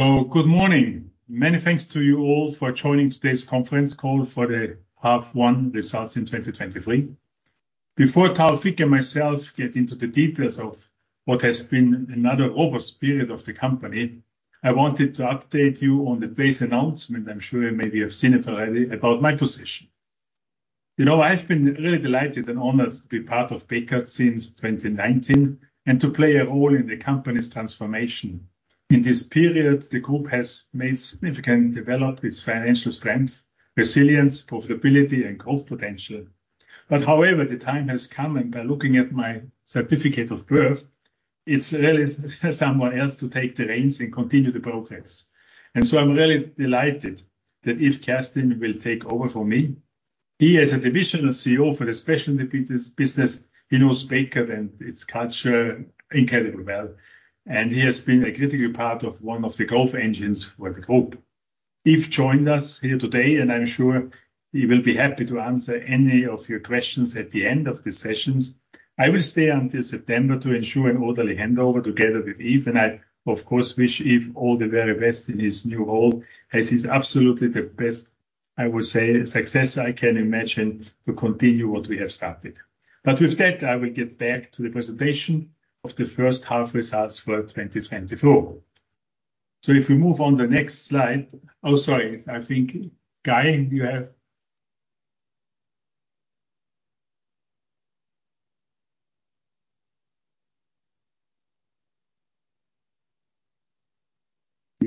Good morning! Many thanks to you all for joining today's conference call for the H1 results in 2023. Before Taoufiq and myself get into the details of what has been another robust period of the company, I wanted to update you on today's announcement, I'm sure maybe you've seen it already, about my position. You know, I've been really delighted and honored to be part of Bekaert since 2019, and to play a role in the company's transformation. In this period, the group has made significant development with financial strength, resilience, profitability, and growth potential. However, the time has come, and by looking at my certificate of birth, it's really someone else to take the reins and continue the progress. So I'm really delighted that Yves Kerstens will take over for me. He is a divisional CEO for the Specialty Businesses. He knows Bekaert and its culture incredibly well, and he has been a critical part of one of the growth engines for the group. Yves joined us here today, and I'm sure he will be happy to answer any of your questions at the end of the sessions. I will stay until September to ensure an orderly handover together with Yves, and I, of course, wish Yves all the very best in his new role, as he's absolutely the best, I would say, successor I can imagine to continue what we have started. With that, I will get back to the presentation of the first half results for 2024. If we move on the next slide... Oh, sorry, I think, Guy, you have.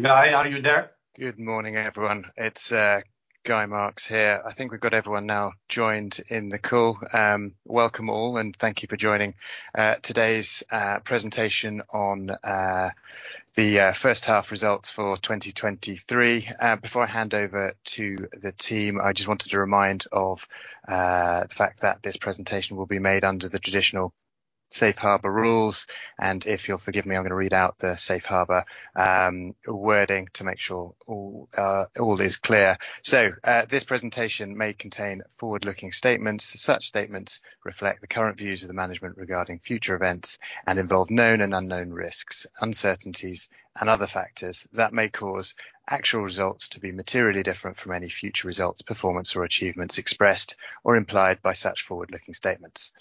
Guy, are you there? Good morning, everyone. It's Guy Marks here. I think we've got everyone now joined in the call. Welcome all, and thank you for joining today's presentation on the first half results for 2023. Before I hand over to the team, I just wanted to remind of the fact that this presentation will be made under the traditional safe harbor rules. If you'll forgive me, I'm gonna read out the safe harbor wording to make sure all all is clear. This presentation may contain forward-looking statements. Such statements reflect the current views of the management regarding future events and involve known and unknown risks, uncertainties, and other factors that may cause actual results to be materially different from any future results, performance, or achievements expressed or implied by such forward-looking statements.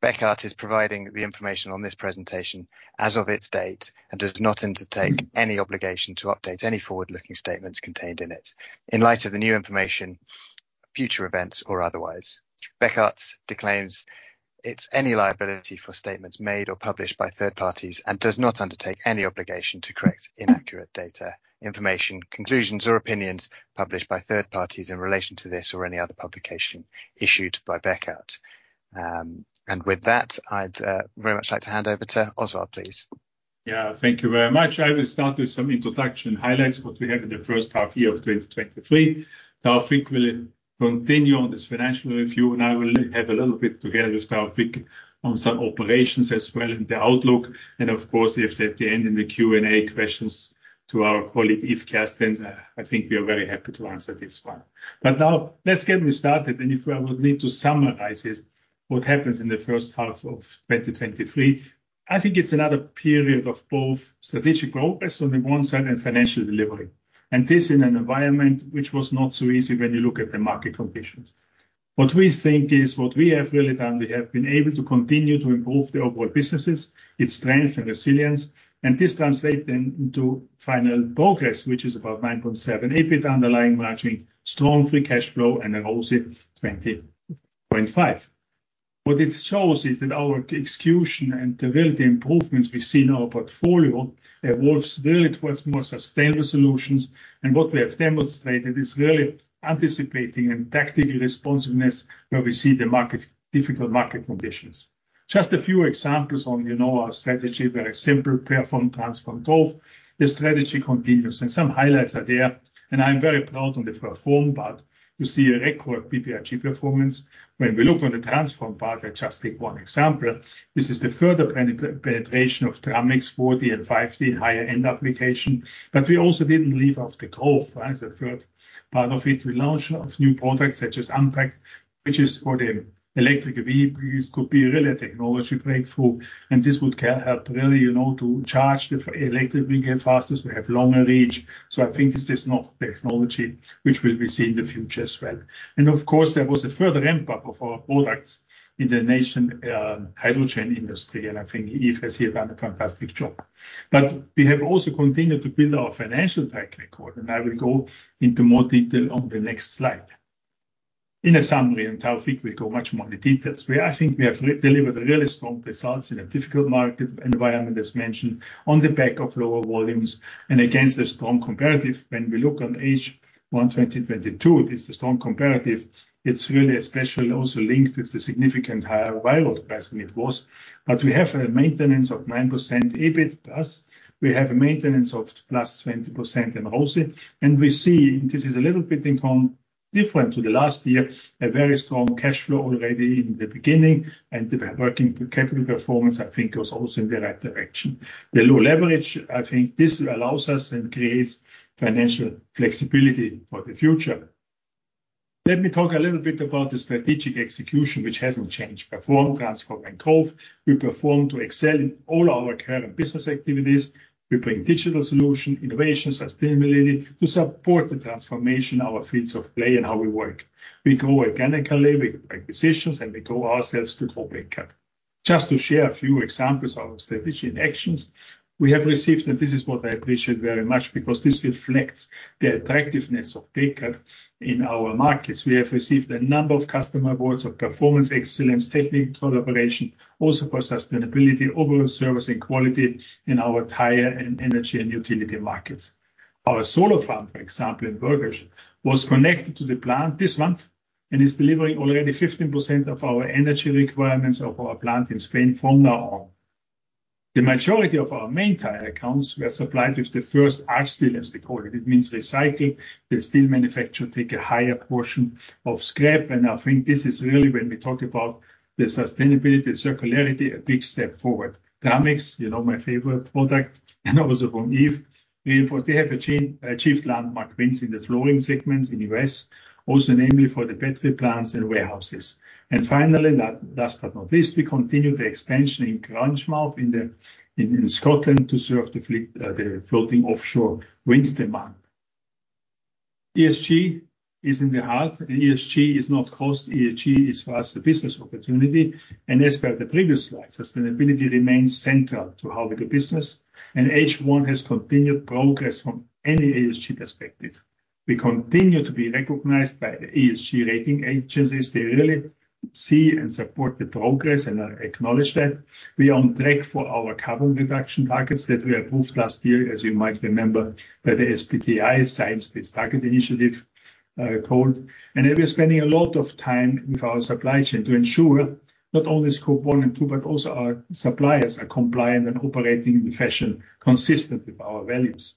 Bekaert is providing the information on this presentation as of its date and does not undertake any obligation to update any forward-looking statements contained in it. In light of the new information, future events, or otherwise, Bekaert declines its any liability for statements made or published by third parties and does not undertake any obligation to correct inaccurate data, information, conclusions, or opinions published by third parties in relation to this or any other publication issued by Bekaert. With that, I'd very much like to hand over to Oswald, please. Yeah, thank you very much. I will start with some introduction highlights what we have in the first half year of 2023. Taoufiq will continue on this financial review, and I will have a little bit together with Taoufiq on some operations as well, and the outlook. Of course, if at the end, in the Q&A questions to our colleague, Yves Kerstens, I think we are very happy to answer this one. Now let's get me started, and if I would need to summarize this, what happens in the first half of 2023, I think it's another period of both strategic progress on the one side and financial delivery, and this in an environment which was not so easy when you look at the market conditions. What we think is what we have really done, we have been able to continue to improve the overall businesses, its strength and resilience. This translate then into final progress, which is about 9.7% EBIT underlying margin, strong free cash flow and then also 20.5%. What it shows is that our execution and the development improvements we see in our portfolio evolves really towards more sustainable solutions. What we have demonstrated is really anticipating and tactical responsiveness where we see difficult market conditions. Just a few examples on, you know, our strategy, very simple: Perform, Transform, Grow. The strategy continues. Some highlights are there. I'm very proud on the Perform part. You see a record BPG performance. When we look on the Transform part, I just take one example. This is the further penetration of Dramix 4D and 5D higher-end application. We also didn't leave off the growth, as the third part of it, we launch of new products such as Ampact, which is for the electric vehicles, could be really a technology breakthrough, and this would help really, you know, to charge the electric vehicle fastest, we have longer range. I think this is not technology which will be seen in the future as well. Of course, there was a further impact of our products in the nation, hydrogen industry, and I think Yves has here done a fantastic job. We have also continued to build our financial track record, and I will go into more detail on the next slide. In a summary, and Taoufiq will go much more in the details, we I think we have re-delivered really strong results in a difficult market environment, as mentioned, on the back of lower volumes and against a strong comparative. When we look on H1 2022, it is a strong comparative. It's really especially also linked with the significant higher raw material price than it was. We have a maintenance of 9% EBIT plus, we have a maintenance of +20% in ROCE, and we see this is a little bit in different to the last year, a very strong cash flow already in the beginning, and the working capital performance, I think, was also in the right direction. The low leverage, I think this allows us and creates financial flexibility for the future. Let me talk a little bit about the strategic execution, which hasn't changed: Perform, Transform, Grow. We perform to excel in all our current business activities. We bring Digital Solutions, Innovation Solutions, Sustainability, to support the transformation, our fields of play, and how we work. We grow organically, we make acquisitions, and we grow ourselves through growth and cut. Just to share a few examples of our strategic actions, we have received, and this is what I appreciate very much because this reflects the attractiveness of Bekaert in our markets. We have received a number of customer awards for performance excellence, technical collaboration, also for Sustainability, overall service and quality in our tire, energy, and utility markets. Our solar farm, for example, in Burgos, was connected to the plant this month and is delivering already 15% of our energy requirements of our plant in Spain from now on. The majority of our main tire accounts were supplied with the first r-steel, as we call it. It means recycled. The steel manufacturer take a higher portion of scrap, and I think this is really when we talk about the sustainability, circularity, a big step forward. Dramix, you know, my favorite product, and also from Yves. We, of course, they have achieved landmark wins in the flooring segments in U.S., also namely for the battery plants and warehouses. Finally, last but not least, we continue the expansion in Grangemouth, in the, in, in Scotland to serve the fleet, the floating offshore wind demand. ESG is in the heart, and ESG is not cost. ESG is, for us, a business opportunity, and as per the previous slide, Sustainability remains central to how we do business, and H1 has continued progress from any ESG perspective. We continue to be recognized by the ESG rating agencies. They really see and support the progress, and I acknowledge that. We are on track for our carbon reduction targets that we approved last year, as you might remember, by the SBTi, Science Based Targets initiative, called. We are spending a lot of time with our supply chain to ensure not only Scope 1 and 2, but also our suppliers are compliant and operating in a fashion consistent with our values.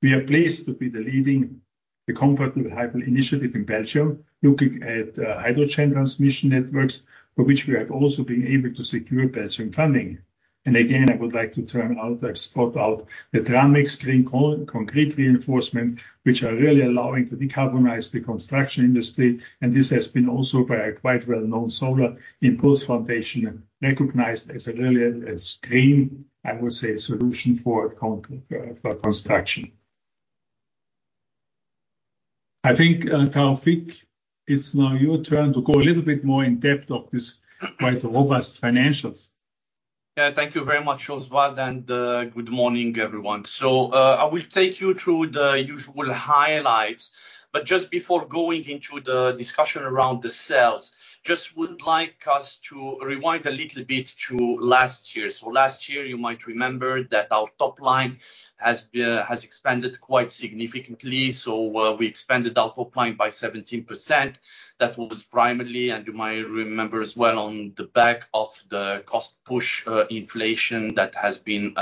We are pleased to be the leading the Comforthybel initiative in Belgium, looking at hydrogen transmission networks, for which we have also been able to secure Belgian funding. Again, I would like to turn out and spot out the Dramix Green concrete reinforcement, which are really allowing to decarbonize the construction industry, and this has been also by a quite well-known Solar Impulse Foundation, recognized as a really a green, I would say, solution for construction. I think, Taoufiq, it's now your turn to go a little bit more in depth of this quite robust financials. Thank you very much, Oswald, good morning, everyone. I will take you through the usual highlights, but just before going into the discussion around the sales, just would like us to rewind a little bit to last year. Last year, you might remember that our top line has expanded quite significantly. We expanded our top line by 17%. That was primarily, and you might remember as well, on the back of the cost-push inflation that has been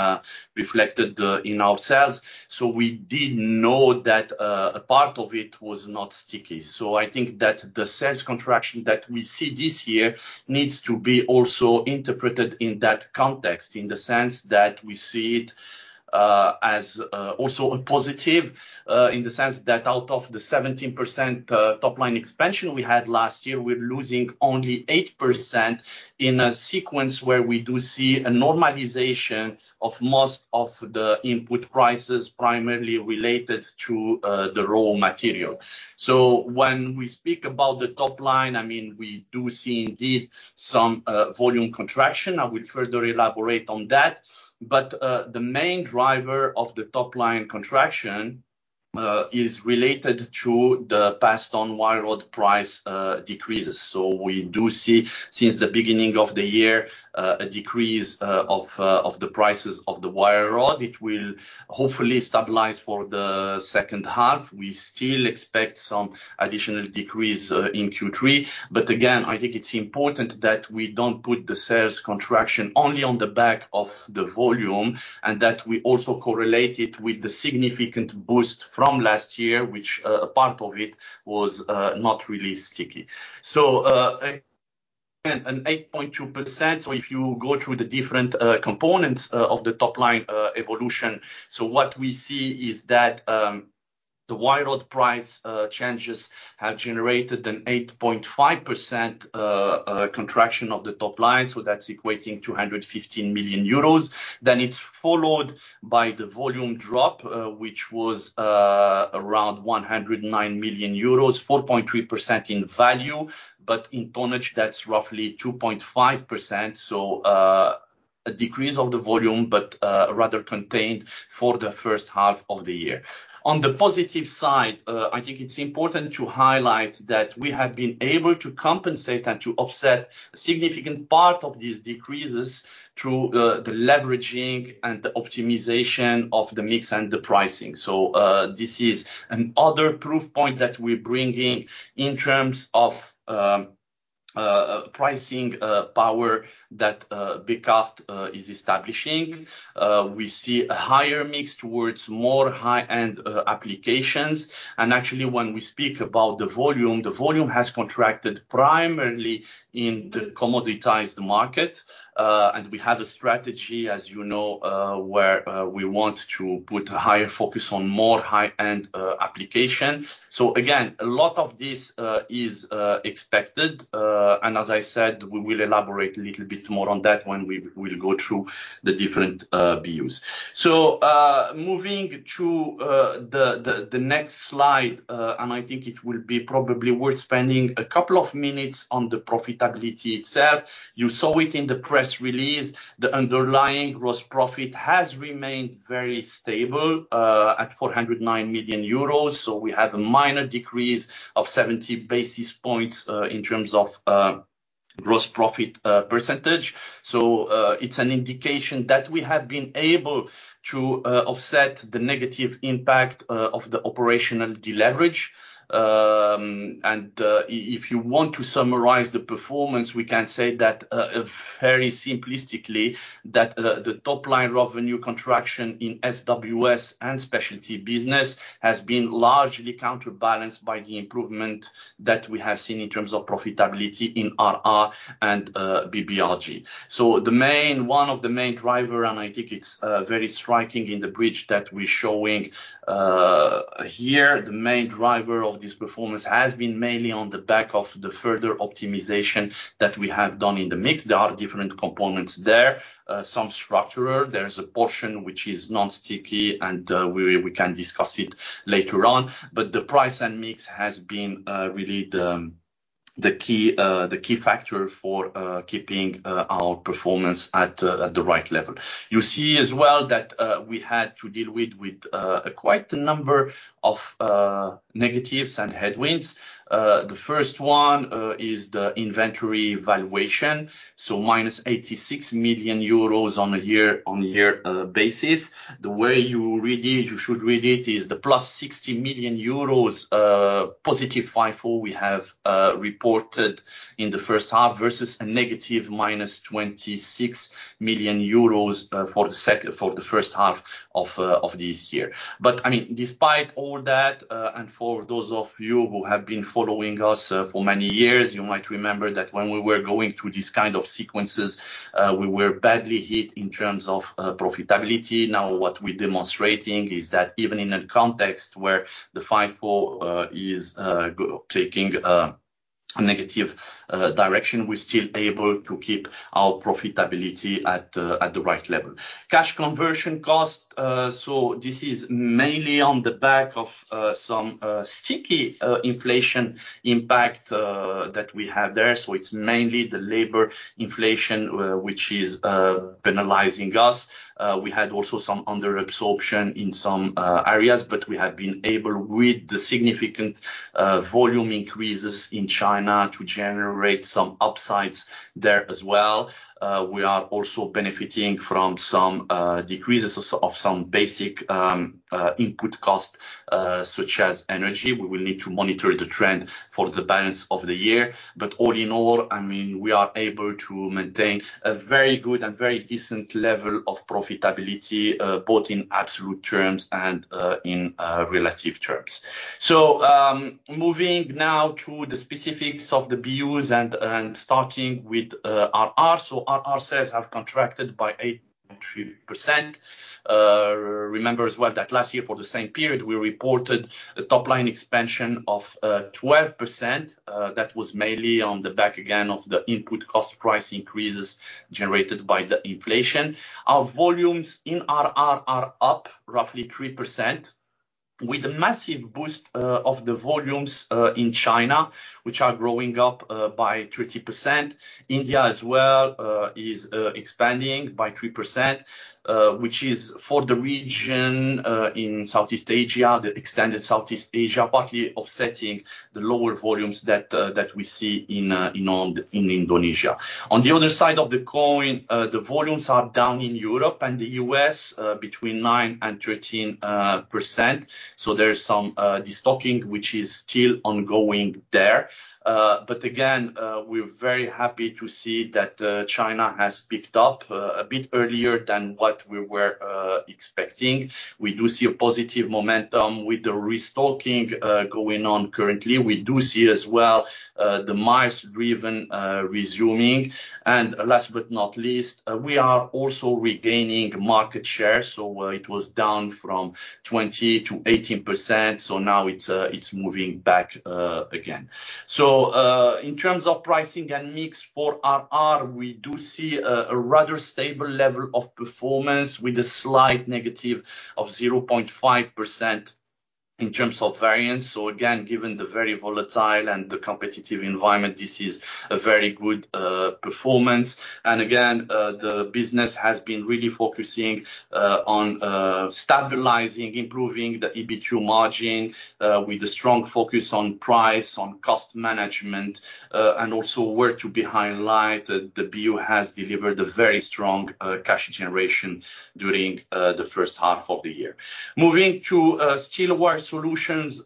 reflected in our sales. We did know that a part of it was not sticky. I think that the sales contraction that we see this year needs to be also interpreted in that context, in the sense that we see it as also a positive in the sense that out of the 17% top line expansion we had last year, we're losing only 8% in a sequence where we do see a normalization of most of the input prices, primarily related to the raw material. When we speak about the top line, I mean, we do see indeed some volume contraction. I will further elaborate on that. But the main driver of the top line contraction is related to the passed on wire rod price decreases. We do see, since the beginning of the year, a decrease of the prices of the wire rod. It will hopefully stabilize for the second half. We still expect some additional decrease in Q3. Again, I think it's important that we don't put the sales contraction only on the back of the volume, and that we also correlate it with the significant boost from last year, which, a part of it was not really sticky. An 8.2%, if you go through the different components of the top line evolution, what we see is that the wire rod price changes have generated an 8.5% contraction of the top line, that's equating to 115 million euros. It's followed by the volume drop, which was around 109 million euros, 4.3% in value, but in tonnage, that's roughly 2.5%. A decrease of the volume, but rather contained for the first half of the year. On the positive side, I think it's important to highlight that we have been able to compensate and to offset a significant part of these decreases through the leveraging and the optimization of the mix and the pricing. This is another proof point that we're bringing in terms of pricing power that Bekaert is establishing. We see a higher mix towards more high-end applications. Actually, when we speak about the volume, the volume has contracted primarily in the commoditized market. We have a strategy, as you know, where we want to put a higher focus on more high-end application. Again, a lot of this is expected, and as I said, we will elaborate a little bit more on that when we will go through the different BUs. Moving to the next slide, I think it will be probably worth spending a couple of minutes on the profitability itself. You saw it in the press release. The underlying gross profit has remained very stable at 409 million euros. We have a minor decrease of 70 basis points in terms of gross profit percentage. It's an indication that we have been able to offset the negative impact of the operational deleverage. If you want to summarize the performance, we can say that very simplistically, that the, the top-line revenue contraction in SWS and Specialty Businesses has been largely counterbalanced by the improvement that we have seen in terms of profitability in RR and BBRG. One of the main driver, and I think it's very striking in the bridge that we're showing here, the main driver of this performance has been mainly on the back of the further optimization that we have done in the mix. There are different components there, some structural. There's a portion which is non-sticky, and we, we can discuss it later on. The price and mix has been really the, the key, the key factor for keeping our performance at the right level. You see as well that we had to deal with quite a number of negatives and headwinds. The first one is the inventory valuation, so -86 million euros on a year-on-year basis. The way you read it, you should read it, is the +60 million euros positive FIFO we have reported in the first half versus a negative -26 million euros for the first half of this year. I mean, despite all that, and for those of you who have been following us for many years, you might remember that when we were going through these kind of sequences, we were badly hit in terms of profitability. Now, what we're demonstrating is that even in a context where the FIFO is taking a negative direction, we're still able to keep our profitability at the right level. Cash conversion cost. This is mainly on the back of some sticky inflation impact that we have there. It's mainly the labor inflation which is penalizing us. We had also some under-absorption in some areas, but we have been able, with the significant volume increases in China, to generate some upsides there as well. We are also benefiting from some decreases of some basic input costs such as energy. We will need to monitor the trend for the balance of the year. All in all, I mean, we are able to maintain a very good and very decent level of profitability, both in absolute terms and in relative terms. Moving now to the specifics of the BUs and starting with RR. RR sales have contracted by 8.3%. Remember as well that last year, for the same period, we reported a top-line expansion of 12%. That was mainly on the back, again, of the input cost price increases generated by the inflation. Our volumes in RR are up roughly 3%, with a massive boost of the volumes in China, which are growing up by 30%. India as well, is expanding by 3%, which is for the region, in Southeast Asia, the extended Southeast Asia, partly offsetting the lower volumes that, that we see in Indonesia. On the other side of the coin, the volumes are down in Europe and the U.S., between 9% and 13%. There is some destocking which is still ongoing there. Again, we're very happy to see that China has picked up a bit earlier than what we were expecting. We do see a positive momentum with the restocking going on currently. We do see as well, the miles driven, resuming. Last but not least, we are also regaining market share. It was down from 20%-18%, so now it's moving back again. In terms of pricing and mix for RR, we do see a rather stable level of performance with a slight negative of 0.5% in terms of variance. Again, given the very volatile and the competitive environment, this is a very good performance. Again, the business has been really focusing on stabilizing, improving the EBITDA margin with a strong focus on price, on cost management, and also work to be highlight. The BU has delivered a very strong cash generation during H1. Moving to Steel Wire Solutions.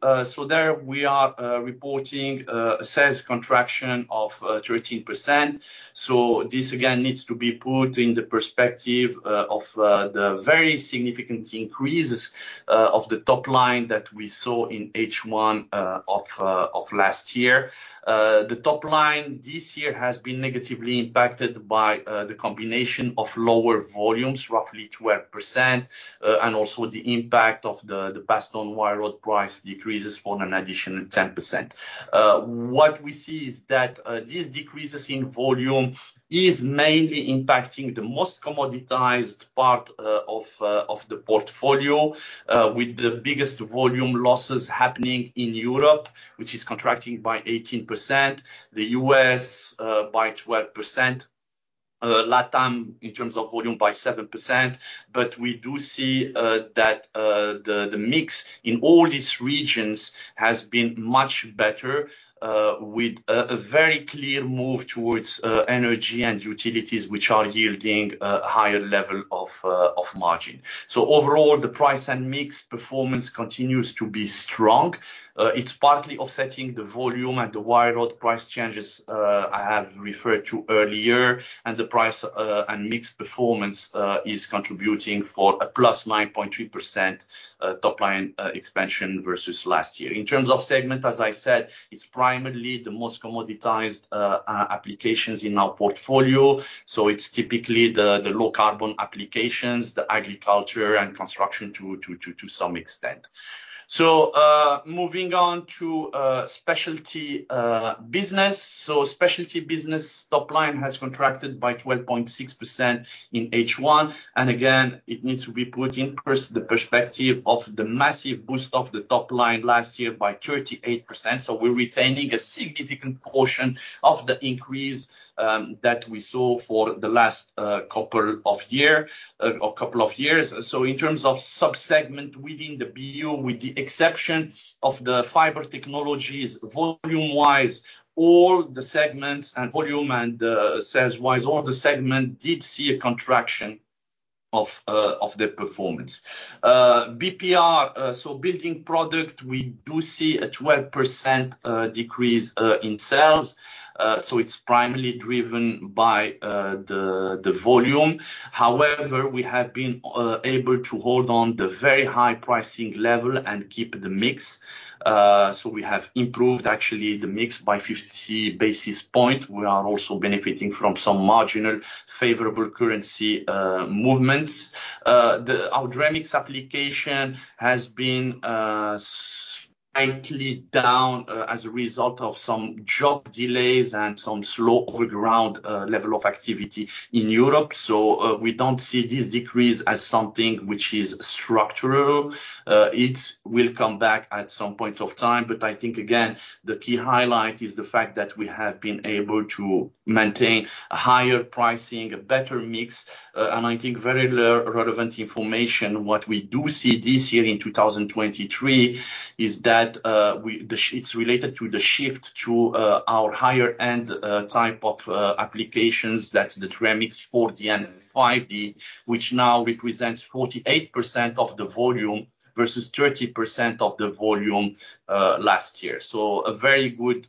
There we are reporting a sales cont`raction of 13%. This, again, needs to be put in the perspective of the very significant increases of the top line that we saw in H1 of last year. The top line this year has been negatively impacted by the combination of lower volumes, roughly 12%, and also the impact of the passed-on wire rod price decreases on an additional 10%. What we see is that these decreases in volume is mainly impacting the most commoditized part of the portfolio with the biggest volume losses happening in Europe, which is contracting by 18%, the U.S., by 12%, Latam, in terms of volume, by 7%. We do see that the mix in all these regions has been much better, with a very clear move towards energy and utilities, which are yielding a higher level of margin. Overall, the price and mix performance continues to be strong. It's partly offsetting the volume and the wire rod price changes, I have referred to earlier, and the price and mix performance is contributing for a +9.3% top line expansion versus last year. In terms of segment, as I said, it's primarily the most commoditized applications in our portfolio, so it's typically the low-carbon applications, the agriculture and construction to, to, to, to some extent. Moving on to Specialty Businesses. Specialty Business top line has contracted by 12.6% in H1, and again, it needs to be put in the perspective of the massive boost of the top line last year by 38%. We're retaining a significant portion of the increase that we saw for the last couple of year or couple of years. In terms of sub-segment within the BU, with the exception of the fiber technologies, volume-wise, sales-wise, all the segment did see a contraction of the performance. BPR, so Building Product, we do see a 12% decrease in sales, so it's primarily driven by the volume. However, we have been able to hold on the very high pricing level and keep the mix. So we have improved actually the mix by 50 basis point. We are also benefiting from some marginal favorable currency movements. Our Dramix application has been slightly down as a result of some job delays and some slow overground level of activity in Europe. We don't see this decrease as something which is structural. It will come back at some point of time. But I think, again, the key highlight is the fact that we have been able to maintain a higher pricing, a better mix, and I think very relevant information. What we do see this year in 2023 is that we, it's related to the shift to our higher-end type of applications That's the Dramix 4D and 5D, which now represents 48% of the volume, versus 30% of the volume last year. A very good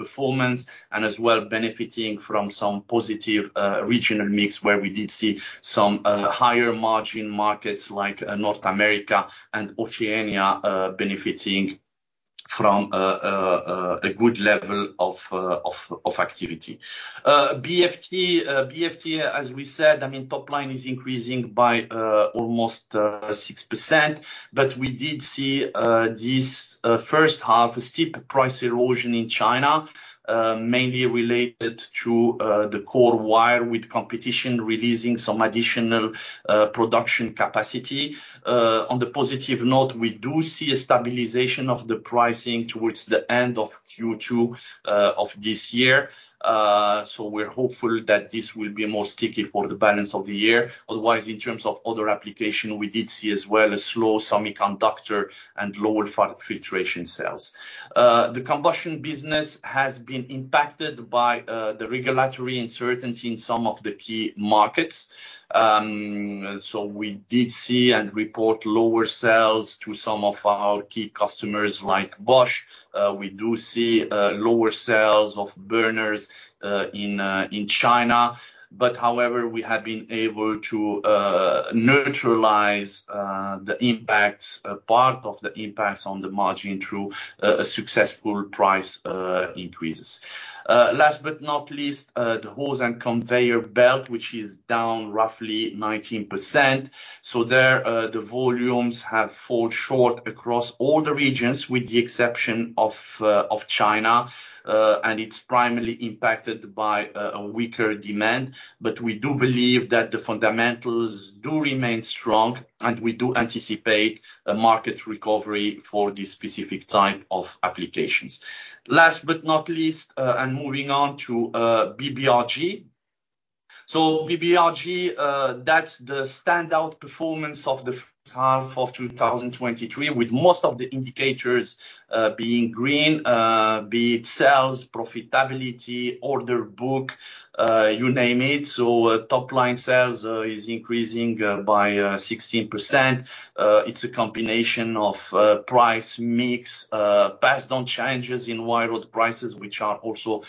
performance, and as well, benefiting from some positive regional mix, where we did see some higher margin markets like North America and Oceania benefiting from a good level of activity. BFT. BFT, as we said, I mean, top line is increasing by almost 6%, we did see this first half, a steep price erosion in China, mainly related to the core wire, with competition releasing some additional production capacity. On the positive note, we do see a stabilization of the pricing towards the end of Q2 of this year. We're hopeful that this will be more sticky for the balance of the year. Otherwise, in terms of other application, we did see as well a slow semiconductor and lower filtration sales. The Combustion business has been impacted by the regulatory uncertainty in some of the key markets. We did see and report lower sales to some of our key customers, like Bosch. We do see lower sales of burners in China, however, we have been able to neutralize the impacts, a part of the impacts on the margin through a successful price increases. Last but not least, the Hose and Conveyor Belt, which is down roughly 19%. There, the volumes have fallen short across all the regions, with the exception of China, and it's primarily impacted by a weaker demand. We do believe that the fundamentals do remain strong, and we do anticipate a market recovery for this specific type of applications. Last but not least, and moving on to BBRG. BBRG, that's the standout performance of H1 2023, with most of the indicators being green. Be it sales, profitability, order book, you name it. Top-line sales is increasing by 16%. It's a combination of price, mix, passed on changes in wire rod prices, which are also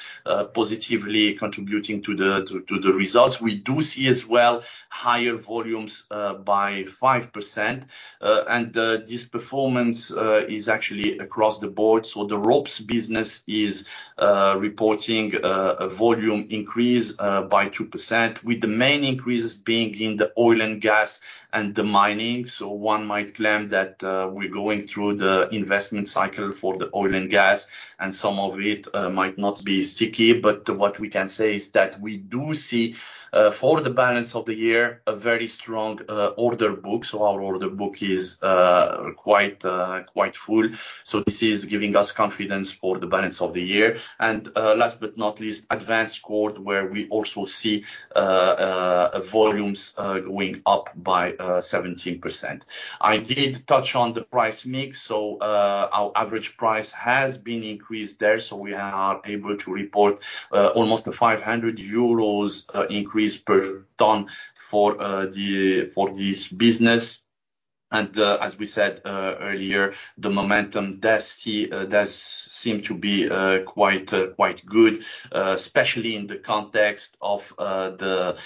positively contributing to the results. We do see as well higher volumes by 5%. This performance is actually across the board. The ropes business is reporting a volume increase by 2%, with the main increase being in the oil and gas and the mining. One might claim that we're going through the investment cycle for the oil and gas, and some of it might not be sticky. What we can say is that we do see for the balance of the year, a very strong order book. Our order book is quite quite full. This is giving us confidence for the balance of the year. Last but not least, advanced cord, where we also see volumes going up by 17%. I did touch on the price mix, so our average price has been increased there, so we are able to report almost a 500 euros increase per ton for the, for this business. As we said earlier, the momentum does seem to be quite good, especially in the context of the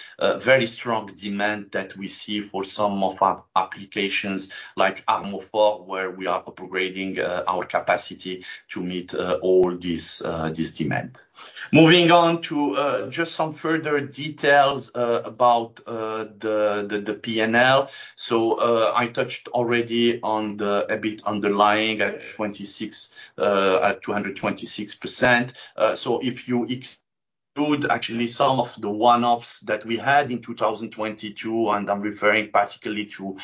very strong demand that we see for some of our applications, like Armofor, where we are upgrading our capacity to meet all this demand. Moving on to just some further details about the P&L. I touched already on the EBIT underlying at 26, at 226%. If you exclude actually some of the one-offs that we had in 2022, and I'm referring particularly to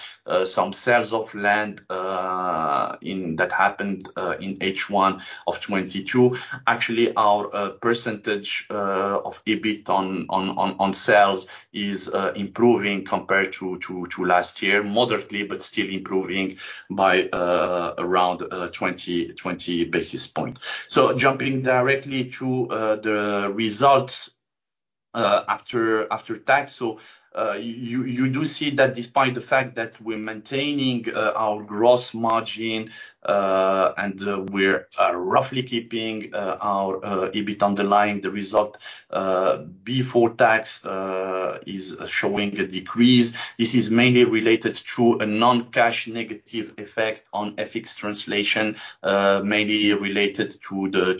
some sales of land, that happened in H1 2022. Actually, our percentage of EBIT on sales is improving compared to last year. Moderately, but still improving by around 20 basis points. Jumping directly to the results after tax. You do see that despite the fact that we're maintaining our gross margin, and we're roughly keeping our EBIT underlying, the result before tax is showing a decrease. This is mainly related to a non-cash negative effect on FX translation, mainly related to the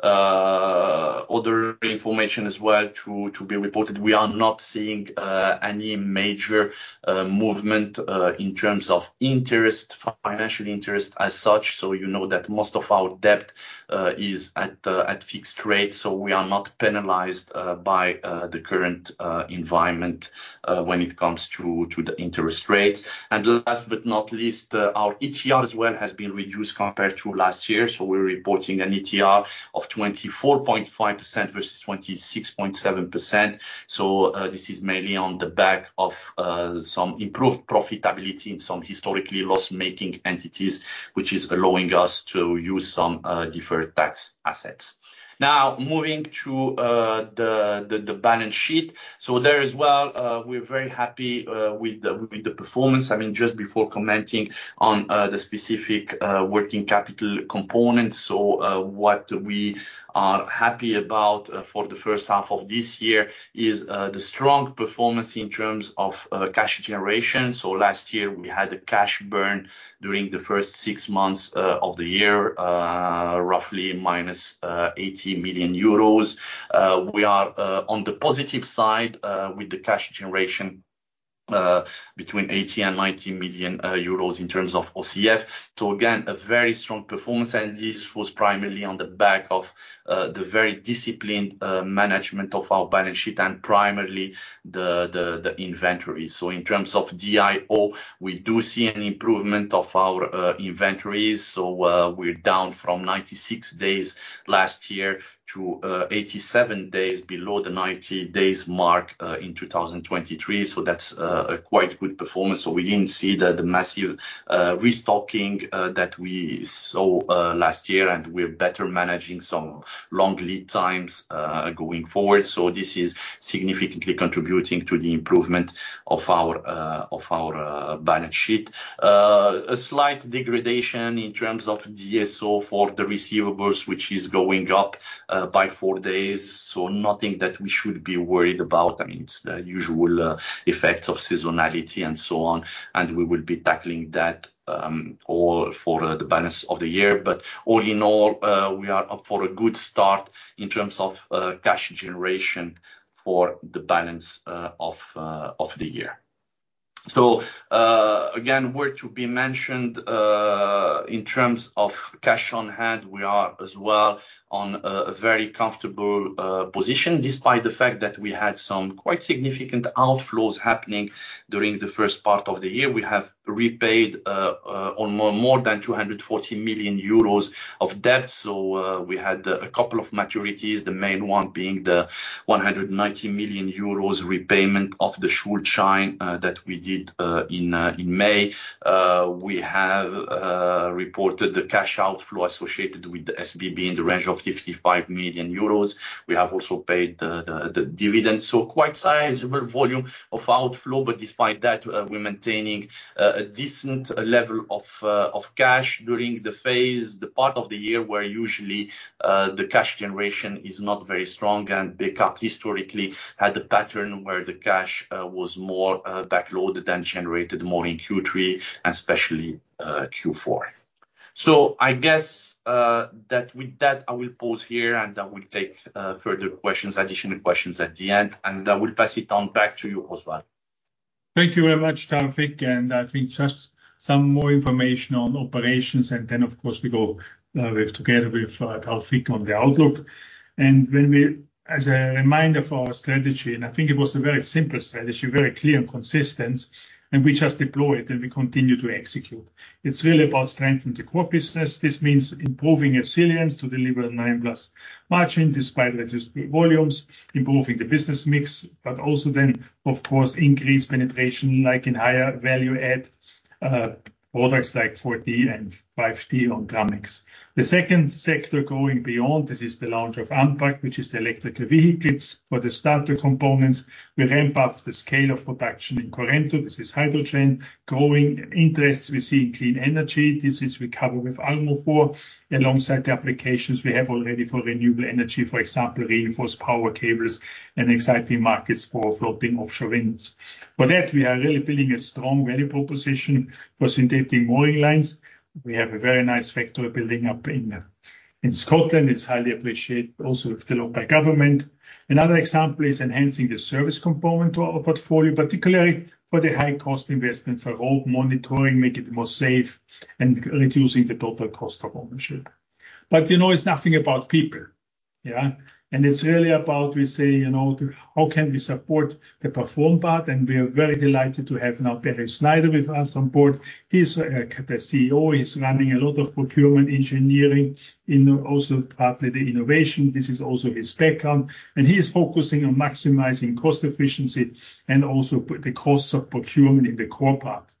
China RMB. Other information as well to be reported, we are not seeing any major movement in terms of interest, financial interest as such. You know that most of our debt is at a fixed rate, so we are not penalized by the current environment when it comes to the interest rates. Last but not least, our ETR as well has been reduced compared to last year. We're reporting an ETR of 24.5% versus 26.7%. This is mainly on the back of some improved profitability in some historically loss-making entities, which is allowing us to use some deferred tax assets. Now, moving to the balance sheet. There as well, we're very happy with the performance. I mean, just before commenting on the specific working capital components. What we are happy about for the first half of this year is the strong performance in terms of cash generation. Last year, we had a cash burn during the first six months of the year, roughly minus 80 million euros. We are on the positive side with the cash generation between 80 million and 90 million euros in terms of OCF. Again, a very strong performance, and this was primarily on the back of the very disciplined management of our balance sheet and primarily the inventory. In terms of GIO, we do see an improvement of our inventories. We're down from 96 days last year to 87 days, below the 90 days mark, in 2023. That's a quite good performance. We didn't see the, the massive restocking that we saw last year, and we're better managing some long lead times going forward. This is significantly contributing to the improvement of our of our balance sheet. A slight degradation in terms of DSO for the receivables, which is going up by four days, so nothing that we should be worried about. I mean, it's the usual effects of seasonality and so on, and we will be tackling that all for the balance of the year. All in all, we are up for a good start in terms of cash generation for the balance of the year. Again, worth to be mentioned, in terms of cash on hand, we are as well on a very comfortable position, despite the fact that we had some quite significant outflows happening during the first part of the year. We have repaid more than 240 million euros of debt. We had a couple of maturities, the main one being the 190 million euros repayment of the Schuldschein that we did in May. We have reported the cash outflow associated with the SBB in the range of 55 million euros. We have also paid the dividend. Quite sizable volume of outflow, but despite that, we're maintaining a decent level of cash during the phase, the part of the year where usually the cash generation is not very strong. Bekaert historically had a pattern where the cash was more backloaded and generated more in Q3, especially Q4. I guess that with that, I will pause here, and I will take further questions, additional questions at the end, and I will pass it on back to you, Oswald. Thank you very much, Taoufiq. I think just some more information on operations, and then, of course, we go with together with Taoufiq on the outlook. As a reminder for our strategy, and I think it was a very simple strategy, very clear and consistent, and we just deploy it, and we continue to execute. It's really about strengthening the core business. This means improving resilience to deliver 9+ margin, despite reduced volumes, improving the business mix, but also then, of course, increased penetration, like in higher value add products like 4D and 5D on Dramix. The second sector going beyond this is the launch of Ampact, which is the electric vehicle. For the starter components, we ramp up the scale of production in Currento. This is hydrogen. Growing interest, we see in clean energy. This is we cover with Armofor. Alongside the applications we have already for renewable energy, for example, reinforced power cables and exciting markets for floating offshore winds. That, we are really building a strong value proposition for synthetic mooring lines. We have a very nice factory building up in Scotland. It's highly appreciated, also with the local government. Another example is enhancing the service component to our portfolio, particularly for the high cost investment, for road monitoring, make it more safe, and reducing the total cost of ownership. You know, it's nothing about people. Yeah? It's really about we say, you know, how can we support the Perform part? We are very delighted to have now Barry Snyder with us on board. He's the CEO. He's running a lot of procurement engineering in also partly the innovation. This is also his background, he is focusing on maximizing cost efficiency and also put the costs of procurement in the core part.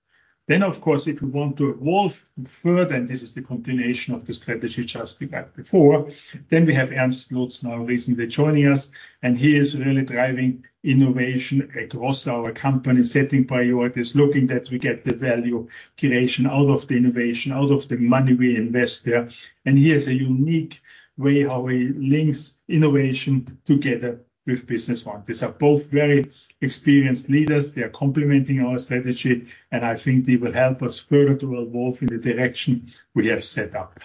Of course, if we want to evolve further, this is the continuation of the strategy just before, we have Ernst Lutz now recently joining us, he is really driving innovation across our company, setting priorities, looking that we get the value creation out of the innovation, out of the money we invest there. He has a unique way how he links innovation together with business partners. These are both very experienced leaders. They are complementing our strategy, I think they will help us further to evolve in the direction we have set up.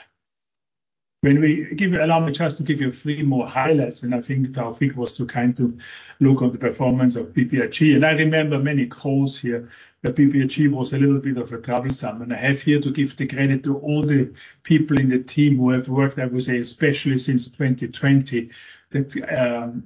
Allow me just to give you three more highlights, I think Taoufiq was so kind to look on the performance of BBRG. I remember many calls here, that BBRG was a little bit of a troublesome. I have here to give the credit to all the people in the team who have worked, I would say, especially since 2020, that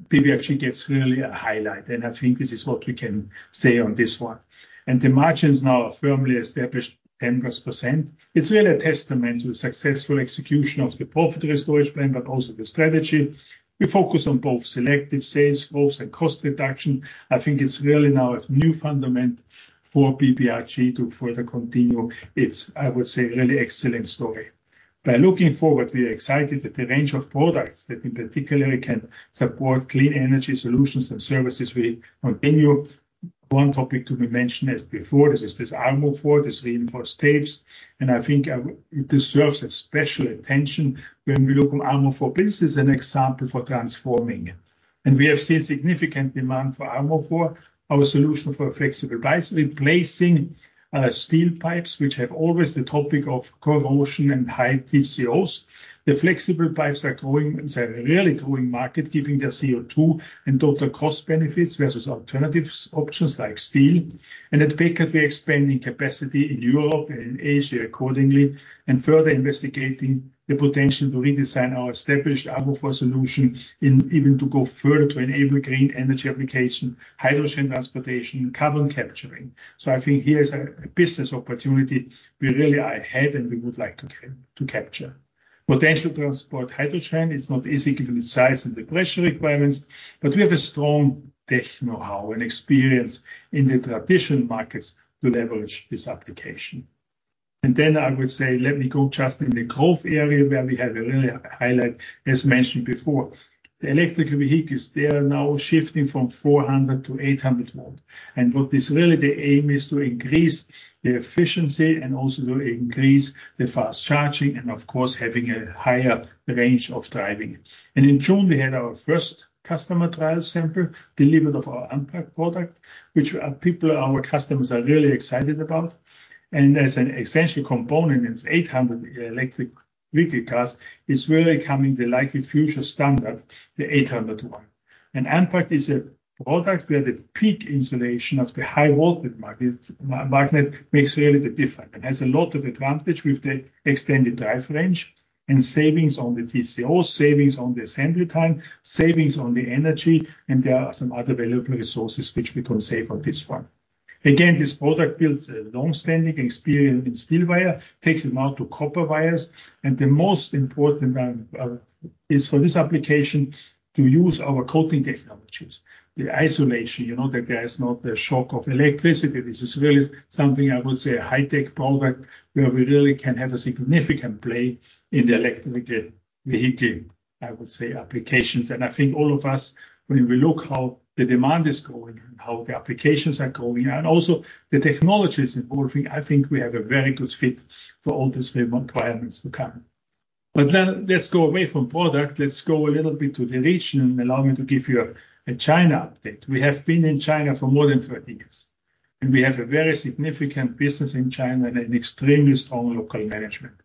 BBRG gets really a highlight, and I think this is what we can say on this one. The margins now are firmly established 10+%. It's really a testament to the successful execution of the profit restoration plan, but also the strategy. We focus on both selective sales growth and cost reduction. I think it's really now a new fundament for BBRG to further continue its, I would say, really excellent story. Looking forward, we are excited that the range of products that in particular can support clean energy solutions and services. We continue. One topic to be mentioned as before, this is this Armofor, this reinforced tapes, and I think it deserves a special attention when we look on Armofor. This is an example for transforming, and we have seen significant demand for Armofor, our solution for flexible pipes, replacing steel pipes, which have always the topic of corrosion and high TCOs. The flexible pipes are growing, is a really growing market, giving the CO2 and total cost benefits versus alternatives options like steel. At Bekaert, we are expanding capacity in Europe and in Asia accordingly, and further investigating the potential to redesign our established Armofor solution in even to go further to enable green energy application, hydrogen transportation, and carbon capturing. I think here is a business opportunity we really are ahead, and we would like to capture. Potential to transport hydrogen is not easy, given the size and the pressure requirements. We have a strong tech know-how and experience in the traditional markets to leverage this application. Then I would say, let me go just in the growth area, where we have a really highlight. As mentioned before, the electric vehicles, they are now shifting from 400 to 800 volt. What is really the aim is to increase the efficiency and also to increase the fast charging and, of course, having a higher range of driving. In June, we had our first customer trial sample delivered of our Ampact product, which people, our customers are really excited about. As an essential component, it's 800 electric vehicle cars, is really becoming the likely future standard, the 800 one. Ampact is a product where the PEEK insulation of the high voltage market makes really the difference and has a lot of advantage with the extended drive range and savings on the TCO, savings on the assembly time, savings on the energy, and there are some other available resources which we can save on this one. This product builds a long-standing experience in steel wire, takes it now to copper wires. The most important is for this application to use our coating technologies. The isolation, you know, that there is not the shock of electricity. This is really something I would say a high-tech product, where we really can have a significant play in the electric vehicle, I would say, applications. I think all of us, when we look how the demand is growing and how the applications are growing and also the technology is evolving, I think we have a very good fit for all these requirements to come. Then let's go away from product. Let's go a little bit to the region, allow me to give you a China update. We have been in China for more than 30 years, we have a very significant business in China and an extremely strong local management.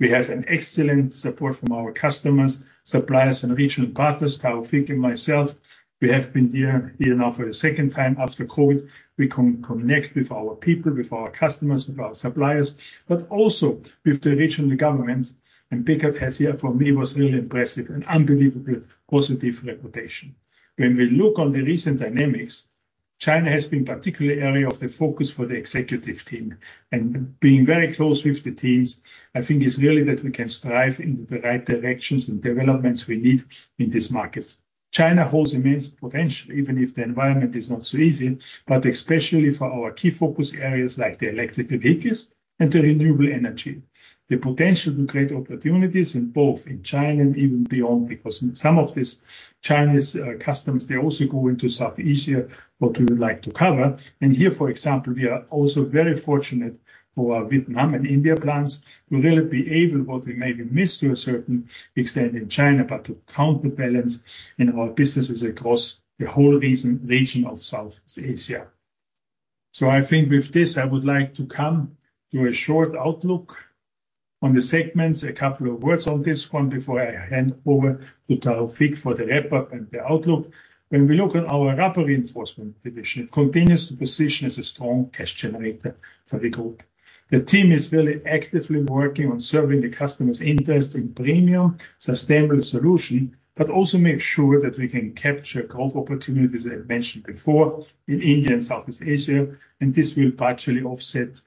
We have an excellent support from our customers, suppliers, and regional partners. Taoufiq and myself, we have been here now for the second time after COVID. We can connect with our people, with our customers, with our suppliers, but also with the regional governments. Bekaert has here, for me, was really impressive and unbelievably positive reputation. When we look on the recent dynamics, China has been particularly area of the focus for the executive team. Being very close with the teams, I think it's really that we can strive in the right directions and developments we need in these markets. China holds immense potential, even if the environment is not so easy, but especially for our key focus areas like the electric vehicles and the renewable energy. The potential to create opportunities in both in China and even beyond, because some of these Chinese customers, they also go into South Asia, what we would like to cover. Here, for example, we are also very fortunate for our Vietnam and India plants to really be able, what we maybe missed to a certain extent in China, but to counterbalance in our businesses across the whole region, region of South Asia. I think with this, I would like to come to a short outlook on the segments. A couple of words on this one before I hand over to Taoufiq for the wrap-up and the outlook. When we look at our Rubber Reinforcement division, it continues to position as a strong cash generator for the group. The team is really actively working on serving the customers' interest in premium, sustainable solution, but also make sure that we can capture growth opportunities, as I mentioned before, in India and Southeast Asia, and this will partially offset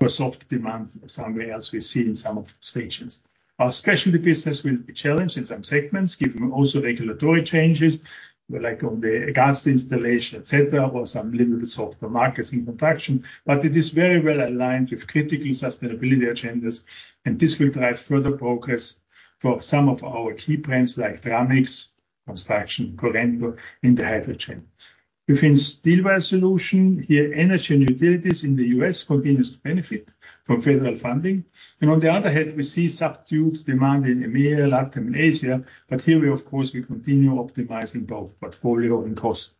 for soft demand somewhere else we see in some of the stations. Our Specialty Businesses will be challenged in some segments, given also regulatory changes, like on the gas installation, et cetera, or some little bit softer markets in construction, but it is very well aligned with critical sustainability agendas, and this will drive further progress for some of our key brands like Dramix, Construction, Currento, and the Hydrogen. Within Steel Wire Solutions, energy and utilities in the U.S. continues to benefit from federal funding. On the other hand, we see subdued demand in EMEA, Latin, and Asia, but here, of course, we continue optimizing both portfolio and cost.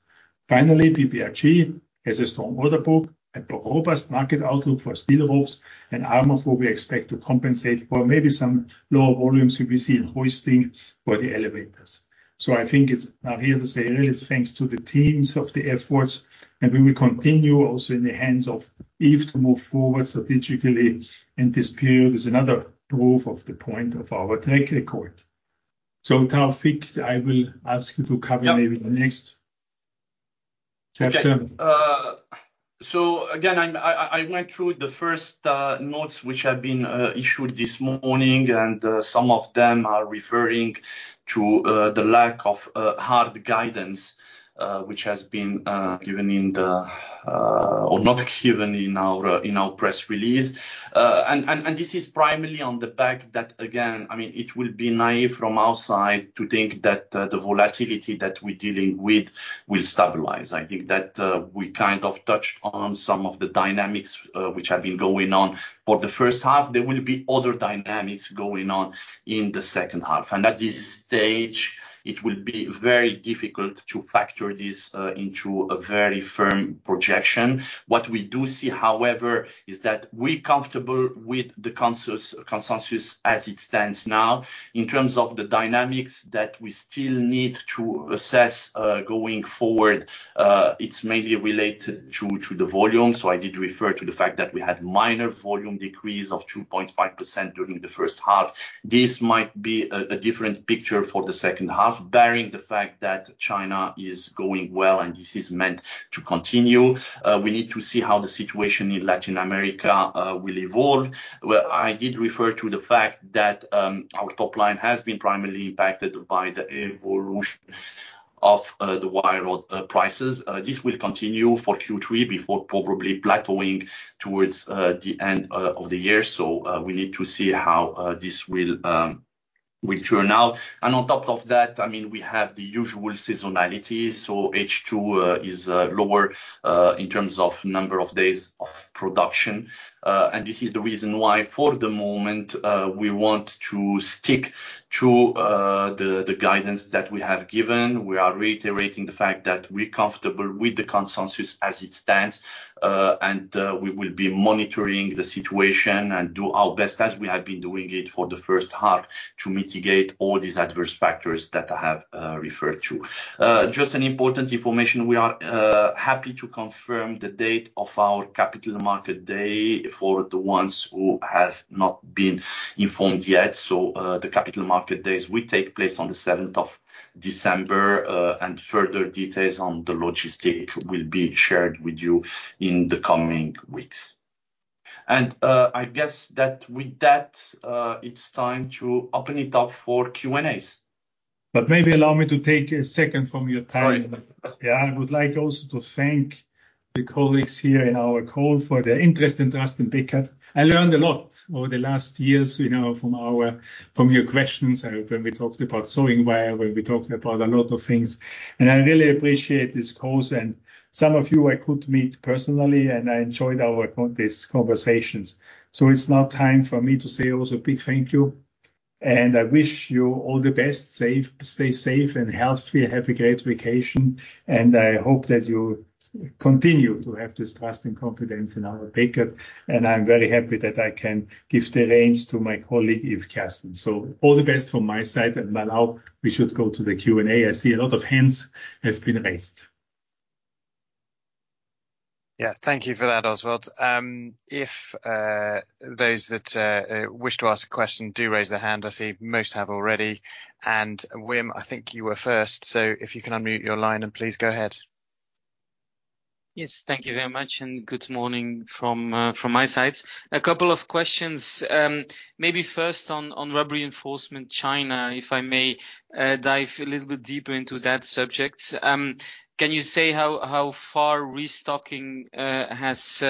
Finally, BBRG has a strong order book and a robust market outlook for steel ropes and armor, for we expect to compensate for maybe some lower volumes we will see in hoisting for the elevators. I think it's fair to say really it's thanks to the teams of the efforts, and we will continue also in the hands of Yves to move forward strategically. In this period is another proof of the point of our track record. Taoufiq, I will ask you to cover maybe the next chapter. Okay. Again, I went through the first notes, which have been issued this morning. Some of them are referring to the lack of hard guidance, which has been given in the... or not given in our, in our press release. This is primarily on the back that again, I mean, it will be naive from our side to think that the volatility that we're dealing with will stabilize. I think that we kind of touched on some of the dynamics which have been going on for the first half. There will be other dynamics going on in the second half, and at this stage, it will be very difficult to factor this into a very firm projection. What we do see, however, is that we're comfortable with the consensus as it stands now. In terms of the dynamics that we still need to assess going forward, it's mainly related to the volume. I did refer to the fact that we had minor volume decrease of 2.5% during the first half. This might be a different picture for the second half, barring the fact that China is going well, and this is meant to continue. We need to see how the situation in Latin America will evolve. I did refer to the fact that our top line has been primarily impacted by the evolution of the wire rod prices. This will continue for Q3 before probably plateauing towards the end of the year. We need to see how this will turn out. On top of that, I mean, we have the usual seasonality, so H2 is lower in terms of number of days of production. This is the reason why, for the moment, we want to stick to the guidance that we have given. We are reiterating the fact that we're comfortable with the consensus as it stands, and we will be monitoring the situation and do our best, as we have been doing it for the first half, to mitigate all these adverse factors that I have referred to. An important information, we are happy to confirm the date of our Capital Market Day for the ones who have not been informed yet. The Capital Market Day will take place on the 7th of December, and further details on the logistics will be shared with you in the coming weeks. I guess that with that, it's time to open it up for Q&As. Maybe allow me to take a second from your time. Sorry. Yeah, I would like also to thank the colleagues here in our call for their interest in trust in Bekaert. I learned a lot over the last years, you know, from your questions when we talked about sewing wire, when we talked about a lot of things. I really appreciate this course. Some of you I could meet personally, and I enjoyed this conversations. It's now time for me to say also a big thank you, and I wish you all the best. Stay safe and healthy, have a great vacation, and I hope that you continue to have this trust and confidence in our Bekaert. I'm very happy that I can give the reins to my colleague, Yves Kerstens. All the best from my side, but now we should go to the Q&A. I see a lot of hands have been raised. Yeah, thank you for that, Oswald. If those that wish to ask a question, do raise their hand. I see most have already. Wim, I think you were first, so if you can unmute your line and please go ahead. Yes, thank you very much, good morning from my side. A couple of questions. Maybe first on Rubber Reinforcement China, if I may dive a little bit deeper into that subject. Can you say how far restocking has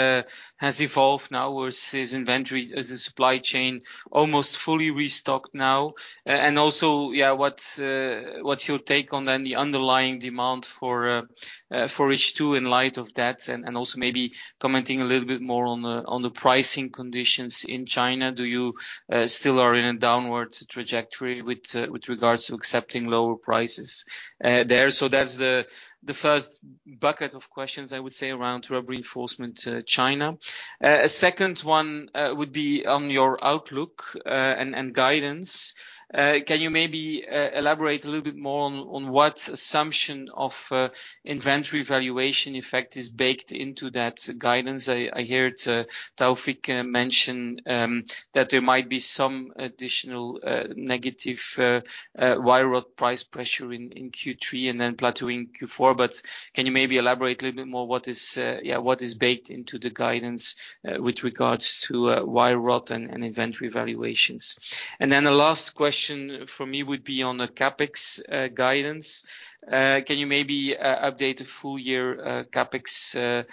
evolved now? Or is inventory, is the supply chain almost fully restocked now? Also, yeah, what's your take on then the underlying demand for H2 in light of that? Also maybe commenting a little bit more on the pricing conditions in China. Do you still are in a downward trajectory with regards to accepting lower prices there? That's the first bucket of questions, I would say, around Rubber Reinforcement China. A second one would be on your outlook, and, and guidance. Can you maybe elaborate a little bit more on, on what assumption of inventory valuation effect is baked into that guidance? I, I heard Taoufiq mention that there might be some additional negative wire rod price pressure in Q3 and then plateauing in Q4. Can you maybe elaborate a little bit more what is, yeah, what is baked into the guidance with regards to wire rod and inventory valuations? Then the last question from me would be on the CapEx guidance. Can you maybe update the full year CapEx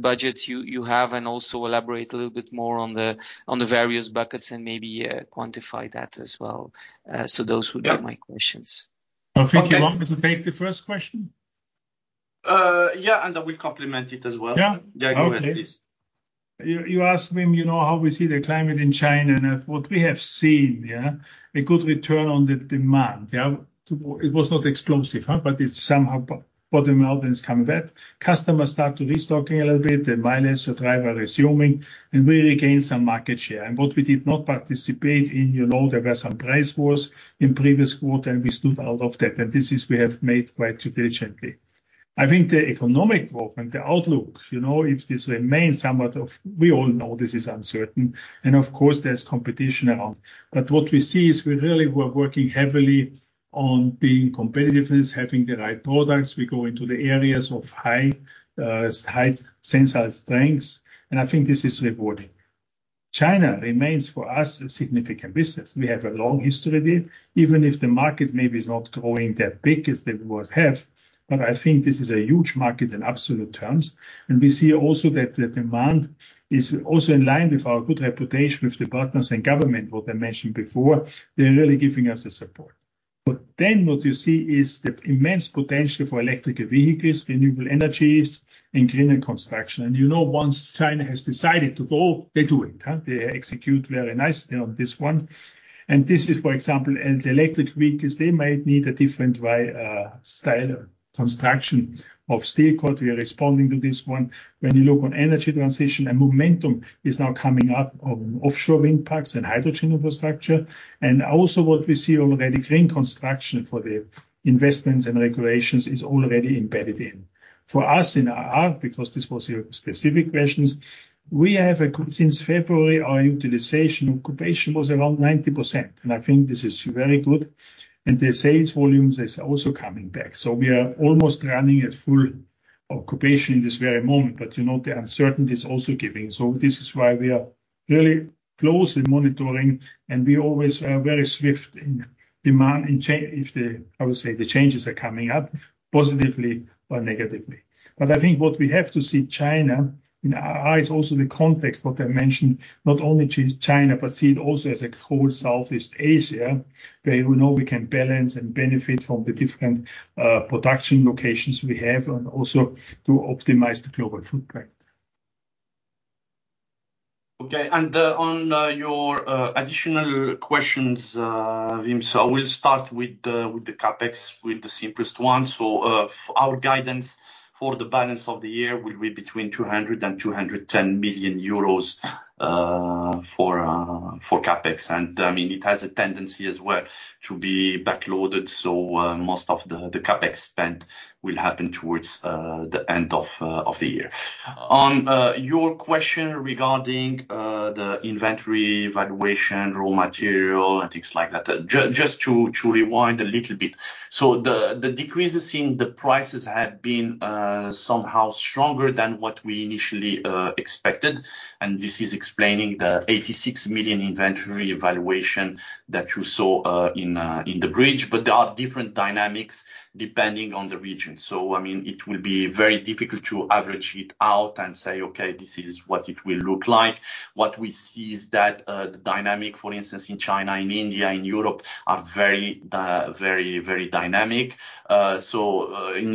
budget you have, and also elaborate a little bit more on the, on the various buckets and maybe quantify that as well? Those would. Yeah. be my questions. Taoufiq, you want me to take the first question? Yeah, I will complement it as well. Yeah. Yeah, go ahead, please. You, you asked me, you know, how we see the climate in China, and what we have seen, yeah, a good return on the demand. Yeah, it was not explosive, huh, but it's somehow bottom out is coming back. Customers start to restocking a little bit, the mileage driver resuming, and we regain some market share. What we did not participate in, you know, there were some price wars in previous quarter, and we stood out of that, and this is we have made quite diligently. I think the economic development, the outlook, you know, if this remains somewhat of... We all know this is uncertain, and of course, there's competition around. What we see is we really were working heavily on being competitiveness, having the right products. We go into the areas of high, high sensor strengths, and I think this is rewarding. China remains, for us, a significant business. We have a long history there, even if the market maybe is not growing that big as they would have. I think this is a huge market in absolute terms, and we see also that the demand is also in line with our good reputation with the partners and government. What I mentioned before, they're really giving us the support. Then what you see is the immense potential for electric vehicles, renewable energies, and green construction. You know, once China has decided to go, they do it, huh? They execute very nicely on this one. This is, for example, and the electric vehicles, they might need a different way, style of construction of steel cord. We are responding to this one. When you look on energy transition, momentum is now coming up on offshore wind parks and hydrogen infrastructure. Also what we see already, green construction for the investments and regulations is already embedded in. For us in our, because this was your specific questions, we have a good since February, our utilization occupation was around 90%, and I think this is very good, and the sales volumes is also coming back. We are almost running at full occupation in this very moment, but, you know, the uncertainty is also giving. This is why we are really closely monitoring, and we always are very swift in demand in I would say, the changes are coming up, positively or negatively. I think what we have to see China, in our eyes, also the context, what I mentioned, not only to China, but see it also as a whole Southeast Asia, where we know we can balance and benefit from the different production locations we have and also to optimize the global footprint. Wim, I will start with the CapEx, with the simplest one. Our guidance for the balance of the year will be between 200 million euros and 210 million euros for CapEx. I mean, it has a tendency as well to be backloaded, most of the CapEx spend will happen towards the end of the year. On your question regarding the inventory valuation, raw material, and things like that, just to rewind a little bit. The decreases in the prices have been somehow stronger than what we initially expected, and this is explaining the 86 million inventory valuation that you saw in the bridge. There are different dynamics depending on the region. I mean, it will be very difficult to average it out and say, "Okay, this is what it will look like." What we see is that the dynamic, for instance, in China, in India, in Europe, are very, very, very dynamic. In, in, in,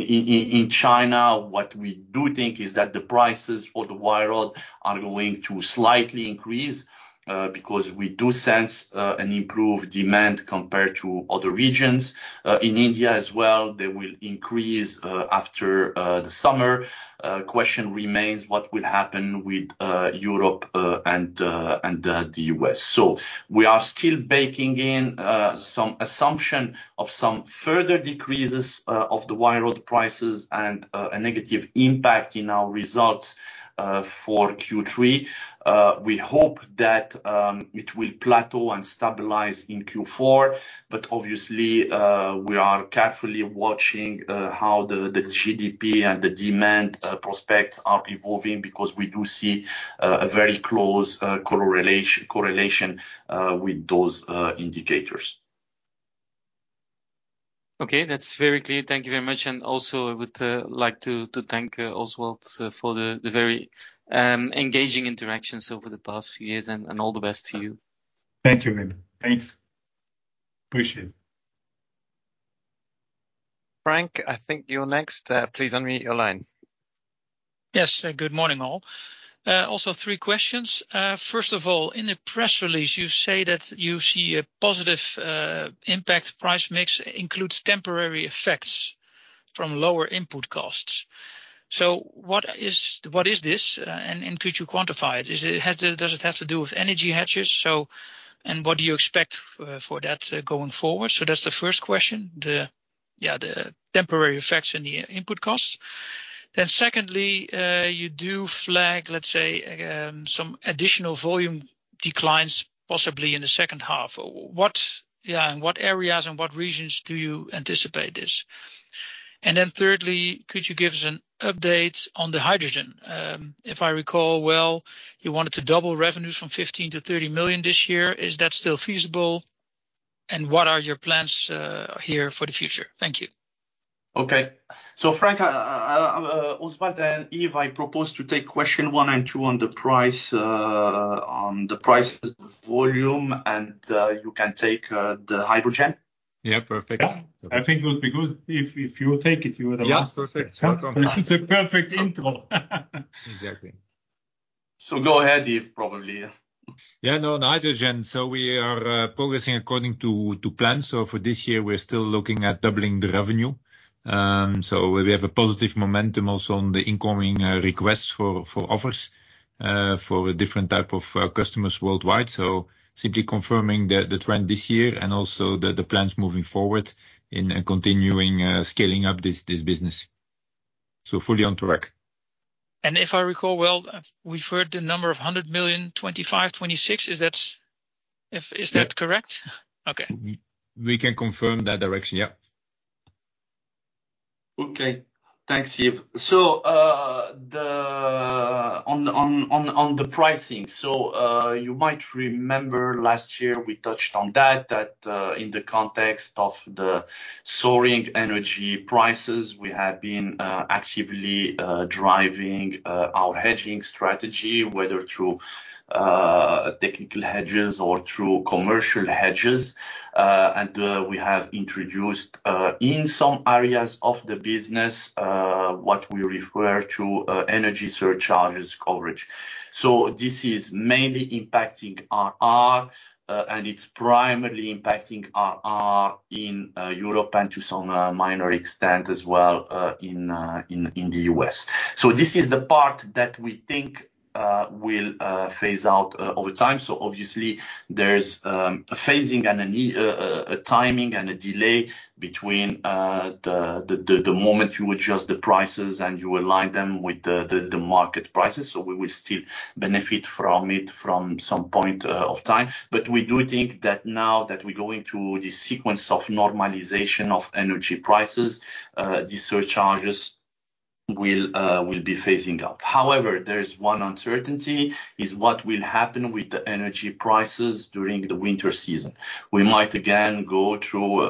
in China, what we do think is that the prices for the wire rod are going to slightly increase because we do sense an improved demand compared to other regions. In India as well, they will increase after the summer. Question remains, what will happen with Europe and the U.S.? We are still baking in some assumption of some further decreases of the wire rod prices and a negative impact in our results for Q3. We hope that it will plateau and stabilize in Q4, but obviously, we are carefully watching how the, the GDP and the demand prospects are evolving, because we do see a very close correlation, correlation with those indicators. Okay, that's very clear. Thank you very much. Also I would like to thank Oswald for the very engaging interactions over the past few years, and all the best to you. Thank you, Wim. Thanks. Appreciate it. Frank, I think you're next. Please unmute your line. Yes, good morning, all. Three questions. In the press release, you say that you see a positive impact. Price mix includes temporary effects from lower input costs. What is this? Could you quantify it? Does it have to do with energy hedges? What do you expect for that going forward? That's the first question, the temporary effects in the input costs. Secondly, you do flag some additional volume declines, possibly in the second half. In what areas and what regions do you anticipate this? Thirdly, could you give us an update on the hydrogen? If I recall well, you wanted to double revenues from 15 million to 30 million this year. Is that still feasible, and what are your plans here for the future? Thank you. Okay. Frank, I, Oswald and Yves, I propose to take question one and two on the price, on the prices, volume, and, you can take, the hydrogen. Yeah, perfect. Yeah. I think it would be good if, if you take it, you would- Yes, perfect. Welcome. It's a perfect intro. Exactly. So go ahead, Yves, probably. Yeah, no, on hydrogen, we are progressing according to plan. For this year, we're still looking at doubling the revenue. We have a positive momentum also on the incoming requests for offers for different type of customers worldwide. Simply confirming the trend this year and also the plans moving forward in continuing scaling up this business. Fully on track. If I recall well, we've heard the number of 100 million, 25, 26. Is that? Yeah. Is that correct? Okay. We can confirm that direction. Yeah. Okay. Thanks, Yves. The pricing, so you might remember last year we touched on that, that in the context of the soaring energy prices, we have been actively driving our hedging strategy, whether through technical hedges or through commercial hedges. We have introduced in some areas of the business what we refer to energy surcharges coverage. This is mainly impacting RR, and it's primarily impacting RR in Europe, and to some minor extent as well in the U.S. This is the part that we think will phase out over time. Obviously, there's a phasing and a timing and a delay between the moment you adjust the prices and you align them with the market prices. We will still benefit from it from some point of time. We do think that now that we're going through this sequence of normalization of energy prices, the surcharges will be phasing out. However, there is one uncertainty, is what will happen with the energy prices during the winter season. We might again go through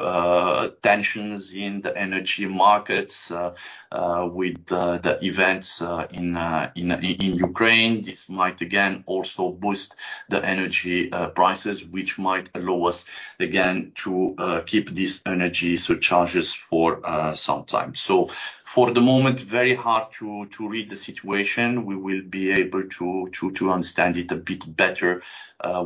tensions in the energy markets with the events in Ukraine. This might again also boost the energy prices, which might allow us again to keep these energy surcharges for some time. For the moment, very hard to read the situation. We will be able to understand it a bit better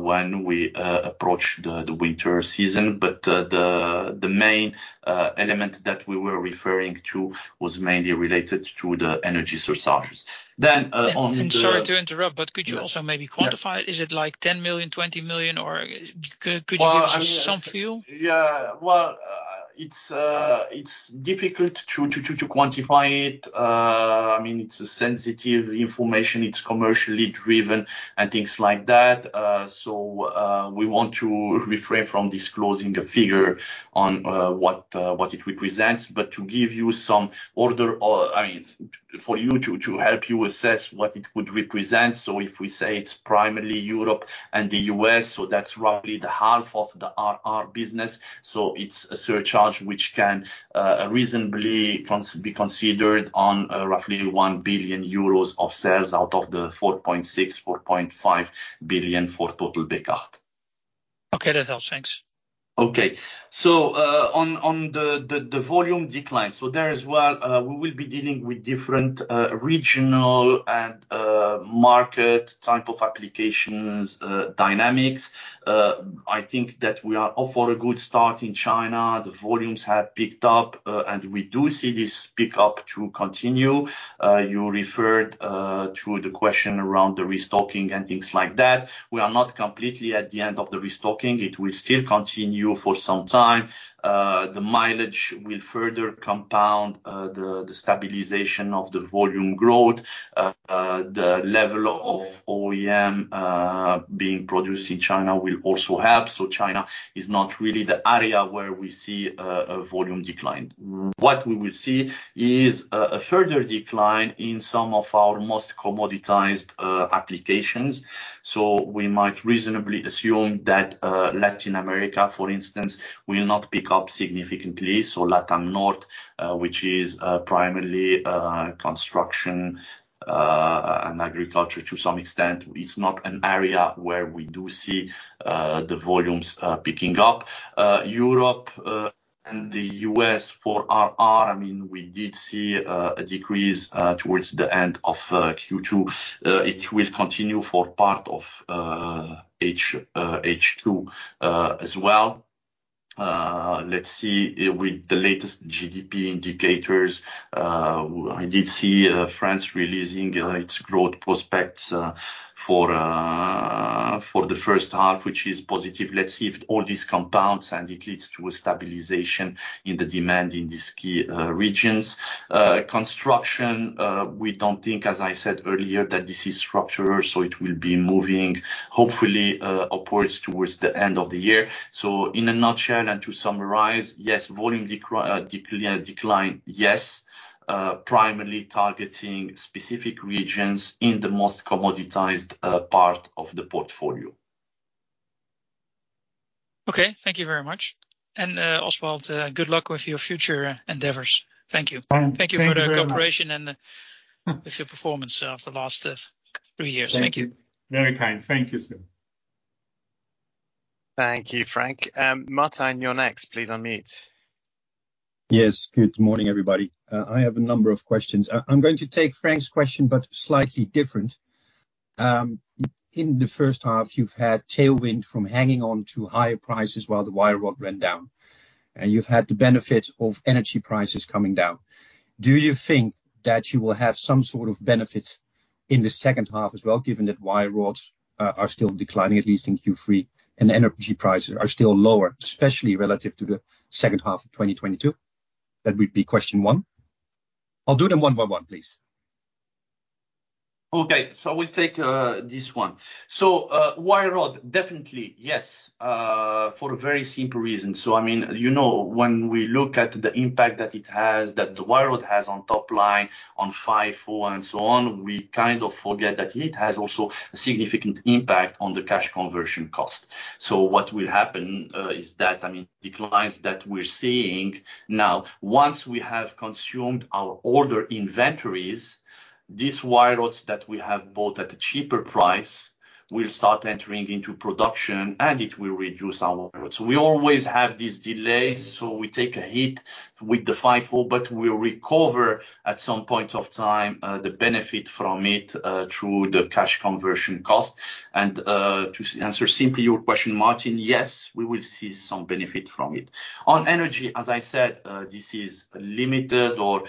when we approach the winter season. The main element that we were referring to was mainly related to the energy surcharges. On the- I'm sorry to interrupt, but could you also maybe quantify? Yeah. Is it, like, 10 million, 20 million, or could you give us. Well. some feel? Yeah. Well, it's difficult to quantify it. I mean, it's sensitive information, it's commercially driven, and things like that. We want to refrain from disclosing a figure on what it represents. To give you some order or, I mean, for you to help you assess what it would represent, if we say it's primarily Europe and the U.S., that's roughly the half of the RR business. It's a surcharge which can reasonably be considered on roughly 1 billion euros of sales out of the 4.6 billion, 4.5 billion for total Bekaert. Okay, that helps. Thanks. Okay. On, on the, the, the volume decline, there as well, we will be dealing with different regional and market type of applications dynamics. I think that we are off for a good start in China. The volumes have picked up, and we do see this pick-up to continue. You referred to the question around the restocking and things like that. We are not completely at the end of the restocking. It will still continue for some time. The mileage will further compound the stabilization of the volume growth. The level of OEM being produced in China will also help. China is not really the area where we see a volume decline. What we will see is a further decline in some of our most commoditized applications. We. might reasonably assume that Latin America, for instance, will not pick up significantly. Latin North, which is primarily construction and agriculture to some extent, it's not an area where we do see the volumes picking up. Europe and the U.S. for RR, I mean, we did see a decrease towards the end of Q2. It will continue for part of H2 as well. Let's see, with the latest GDP indicators, I did see France releasing its growth prospects for the first half, which is positive. Let's see if all these compounds, and it leads to a stabilization in the demand in these key regions. Construction, we don't think, as I said earlier, that this is structural, so it will be moving, hopefully, upwards towards the end of the year. In a nutshell, and to summarize, yes, volume decline, yes, primarily targeting specific regions in the most commoditized part of the portfolio. Okay. Thank you very much. Oswald, good luck with your future endeavors. Thank you. Thank you very much. Thank you for the cooperation and with your performance of the last three years. Thank you. Thank you. Very kind. Thank you, sir. Thank you, Frank. Martin, you're next. Please unmute. Yes, good morning, everybody. I have a number of questions. I'm going to take Frank's question, slightly different. In the first half, you've had tailwind from hanging on to higher prices while the wire rod went down, and you've had the benefit of energy prices coming down. Do you think that you will have some sort of benefits in the second half as well, given that wire rods are still declining, at least in Q3, and energy prices are still lower, especially relative to the second half of 2022? That would be question one. I'll do them one by one, please. Okay, we'll take this one. Wire rod, definitely, yes, for a very simple reason. I mean, you know, when we look at the impact that it has, that the wire rod has on top line, on FIFO, and so on, we kind of forget that it has also a significant impact on the cash conversion cost. What will happen is that, I mean, declines that we're seeing now, once we have consumed our older inventories, these wire rods that we have bought at a cheaper price will start entering into production, and it will reduce our wire rod. We always have these delays, so we take a hit with the FIFO, but we'll recover at some point of time the benefit from it through the cash conversion cost. To answer simply your question, Martin, yes, we will see some benefit from it. On energy, as I said, this is limited or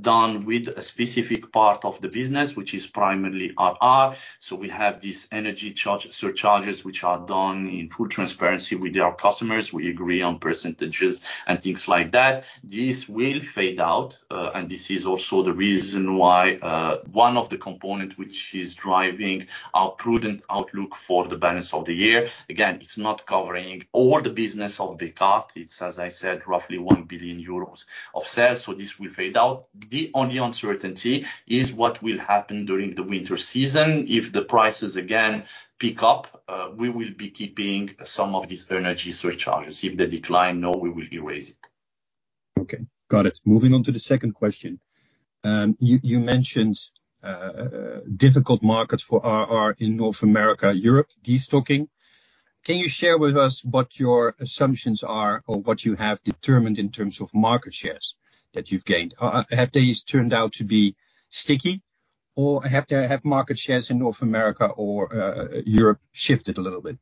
done with a specific part of the business, which is primarily RR. We have these energy charge surcharges, which are done in full transparency with our customers. We agree on percentages and things like that. This will fade out, and this is also the reason why one of the component which is driving our prudent outlook for the balance of the year. Again, it's not covering all the business of Bekaert. It's, as I said, roughly 1 billion euros of sales, so this will fade out. The only uncertainty is what will happen during the winter season. If the prices again pick up, we will be keeping some of these energy surcharges. If they decline, no, we will erase it. Okay, got it. Moving on to the second question. You mentioned difficult markets for RR in North America, Europe, destocking. Can you share with us what your assumptions are or what you have determined in terms of market shares that you've gained? Have these turned out to be sticky, or have market shares in North America or Europe shifted a little bit?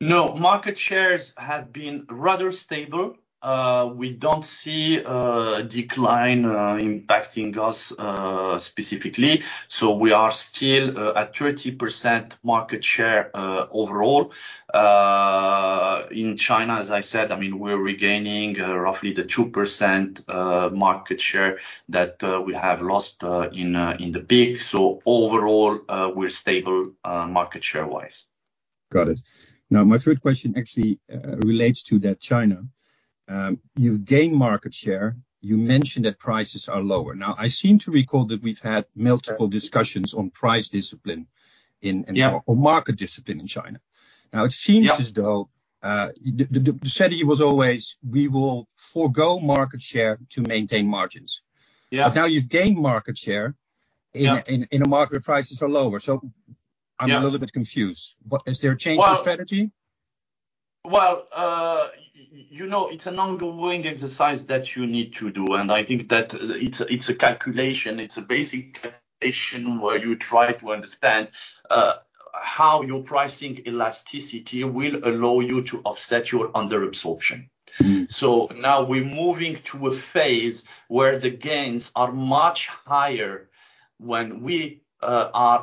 No, market shares have been rather stable. We don't see a decline impacting us specifically, so we are still at 30% market share overall in China, as I said, I mean, we're regaining roughly the 2% market share that we have lost in the peak. Overall, we're stable market share-wise. Got it. Now, my third question actually, relates to that China. You've gained market share. You mentioned that prices are lower. Now, I seem to recall that we've had multiple discussions on price discipline. Yeah or market discipline in China. Now, it seems as- Yeah Though, the, the, the strategy was always we will forgo market share to maintain margins. Yeah. Now you've gained market share... Yeah in a market where prices are lower. Yeah I'm a little bit confused. What? Is there a change in strategy? Well, well, you know, it's an ongoing exercise that you need to do, and I think that it's, it's a calculation. It's a basic calculation where you try to understand how your pricing elasticity will allow you to offset your under-absorption. Mm-hmm. Now we're moving to a phase where the gains are much higher when we are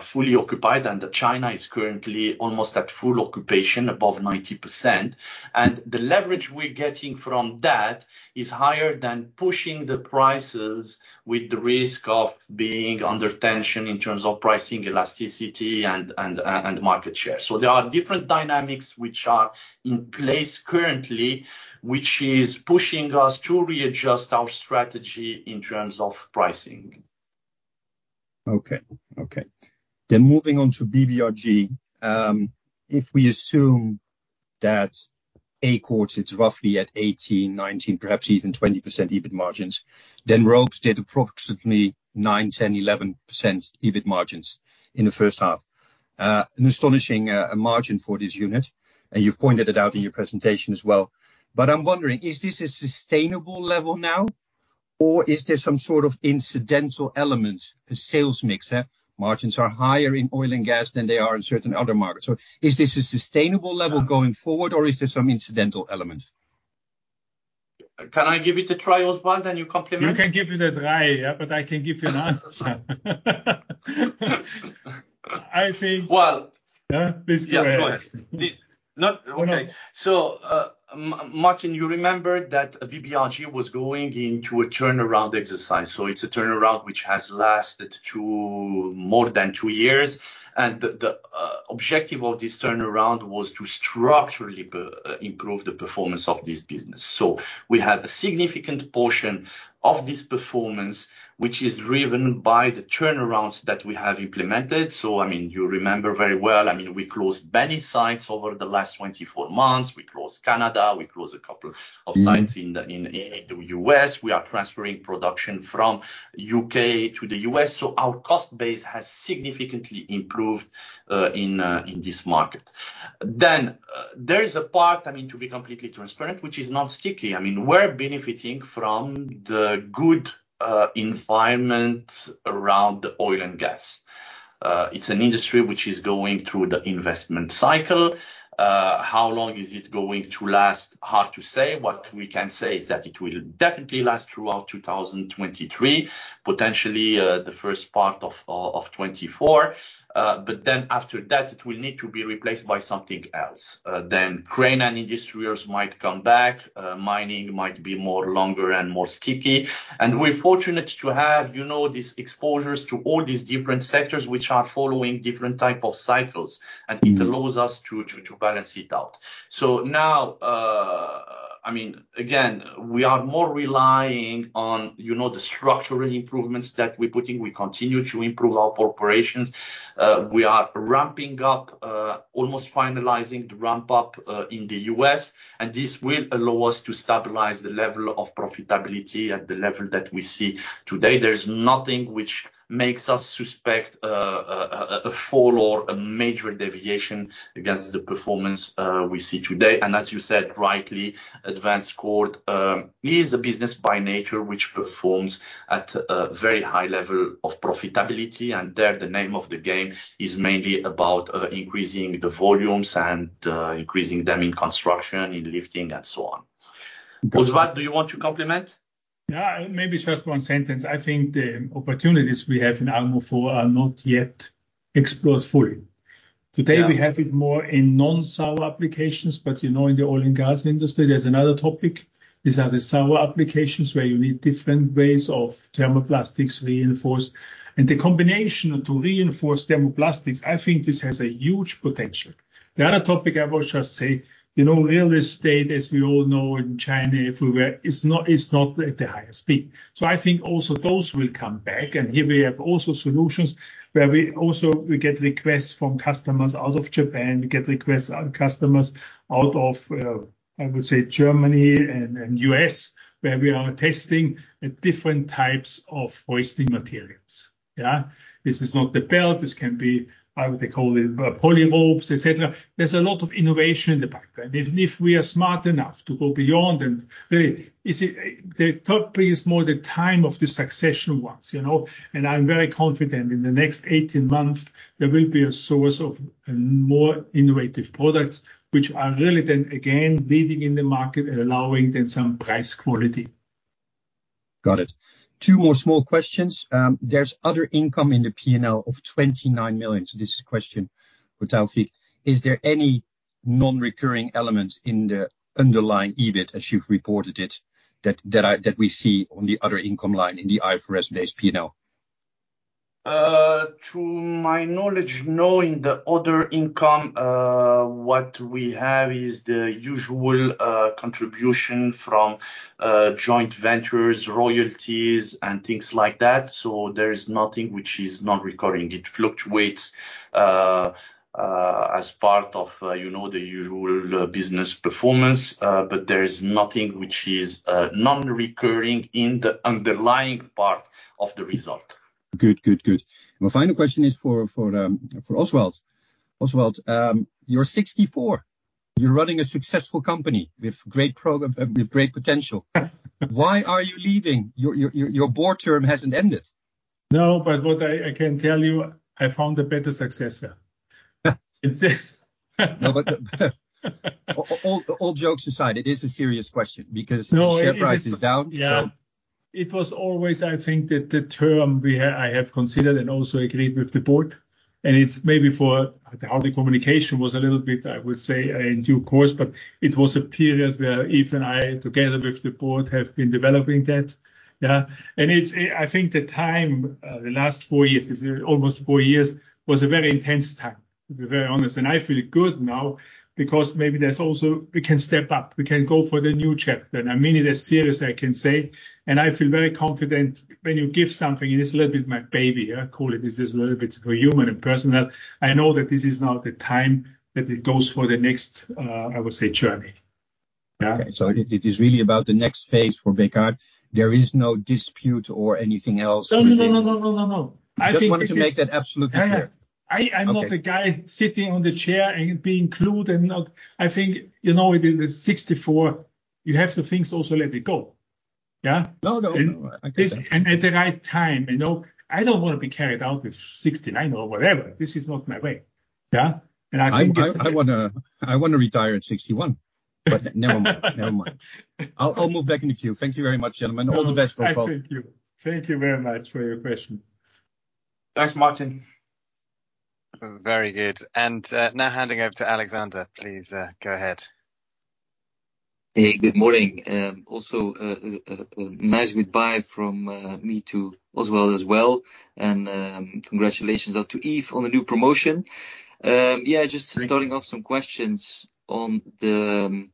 fully occupied, and China is currently almost at full occupation, above 90%. The leverage we're getting from that is higher than pushing the prices, with the risk of being under tension in terms of pricing elasticity and market share. There are different dynamics which are in place currently, which is pushing us to readjust our strategy in terms of pricing. Okay. Okay. Moving on to BBRG. If we assume that ROCE, it's roughly at 18%, 19%, perhaps even 20% EBIT margins, ROCE did approximately 9%, 10%, 11% EBIT margins in the first half. An astonishing margin for this unit, and you've pointed it out in your presentation as well. I'm wondering, is this a sustainable level now, or is there some sort of incidental element, a sales mix, yeah? Margins are higher in oil and gas than they are in certain other markets. Is this a sustainable level going forward, or is there some incidental element? Can I give it a try, Oswald, then you complement? You can give it a try, yeah. I can give you an answer. I think- Well- Yeah, please go ahead. Yeah, go ahead. Please. Okay. Martin, you remember that BBRG was going into a turnaround exercise, so it's a turnaround which has lasted two more than two years, and the, the objective of this turnaround was to structurally improve the performance of this business. We have a significant portion of this performance, which is driven by the turnarounds that we have implemented. I mean, you remember very well, I mean, we closed many sites over the last 24 months. We closed Canada. We closed a couple of sites. in the U.S. We are transferring production from U.K. to the U.S., our cost base has significantly improved in this market. There is a part, I mean, to be completely transparent, which is non-sticky. I mean, we're benefiting from the good environment around the oil and gas. It's an industry which is going through the investment cycle. How long is it going to last? Hard to say. What we can say is that it will definitely last throughout 2023, potentially the first part of 2024. Then after that, it will need to be replaced by something else. Crane and industrials might come back. Mining might be more longer and more sticky. We're fortunate to have, you know, these exposures to all these different sectors, which are following different type of cycles... and it allows us to balance it out. Now, I mean, again, we are more relying on, you know, the structural improvements that we're putting. We continue to improve our operations. We are ramping up, almost finalizing the ramp up in the U.S., and this will allow us to stabilize the level of profitability at the level that we see today. There's nothing which makes us suspect a fall or a major deviation against the performance we see today. As you said rightly, Advanced Cord is a business by nature, which performs at a very high level of profitability, and there, the name of the game is mainly about increasing the volumes and increasing them in construction, in lifting, and so on. Got it. Oswald, do you want to complement? Yeah, maybe just one sentence. I think the opportunities we have in Armofor are not yet explored fully. Yeah. Today, we have it more in non-sour applications, but, you know, in the oil and gas industry, there's another topic. These are the sour applications, where you need different ways of thermoplastics reinforced. The combination to reinforce thermoplastics, I think this has a huge potential. The other topic I will just say, you know, real estate, as we all know, in China, everywhere, is not, is not at the highest peak. I think also those will come back, and here we have also solutions where we get requests from customers out of Japan. We get requests on customers out of, I would say, Germany and, and U.S., where we are testing different types of hoisting materials. Yeah? This is not the belt. This can be, they call it, poly ropes, et cetera. There's a lot of innovation in the pipeline. If, if we are smart enough to go beyond and really, the top three is more the time of the succession ones, you know. I'm very confident, in the next 18 months, there will be a source of more innovative products, which are really then, again, leading in the market and allowing then some price quality. Got it. Two more small questions. There's other income in the P&L of 29 million. This is a question for Taoufiq. Is there any non-recurring element in the underlying EBIT, as you've reported it, that we see on the other income line in the IFRS-based P&L? To my knowledge, knowing the other income, what we have is the usual contribution from joint ventures, royalties, and things like that. There is nothing which is non-recurring. It fluctuates as part of, you know, the usual business performance, but there is nothing which is non-recurring in the underlying part of the result. Good, good, good. My final question is for, for, for Oswald. Oswald, you're 64. You're running a successful company with great potential. Why are you leaving? Your, your, your, your board term hasn't ended. No, but what I, I can tell you, I found a better successor. It is. No, all, all jokes aside, it is a serious question because- No, it. the share price is down. Yeah. It was always, I think, that the term I have considered and also agreed with the board. The early communication was a little bit, I would say, in due course, but it was a period where Yves and I, together with the board, have been developing that. Yeah. I think the time, the last four years, is it almost four years, was a very intense time, to be very honest. I feel good now because maybe there's also, we can step up. We can go for the new chapter. I mean it as serious, I can say, and I feel very confident. When you give something, and it's a little bit my baby, I call it. This is a little bit for human and personal. I know that this is now the time that it goes for the next, I would say, journey. Yeah. Okay. It is really about the next phase for Bekaert. There is no dispute or anything else? No, no, no, no, no, no, no. I think this is- Just wanted to make that absolutely clear. Yeah, yeah. Okay. I'm not a guy sitting on the chair and being clued and not I think, you know, with the 64, you have to things also let it go. Yeah? No, no, no. I get that. At the right time, you know? I don't want to be carried out with 69 or whatever. This is not my way. Yeah? I think this. I, I wanna, I wanna retire at 61, but never mind. Never mind. I'll, I'll move back in the queue. Thank you very much, gentlemen. All the best for all. I thank you. Thank you very much for your question. Thanks, Martin. Very good. Now handing over to Alexander, please, go ahead. Hey, good morning. Also, a nice goodbye from me to Oswald as well. Congratulations out to Yves on the new promotion. Thank you. Starting off some questions on the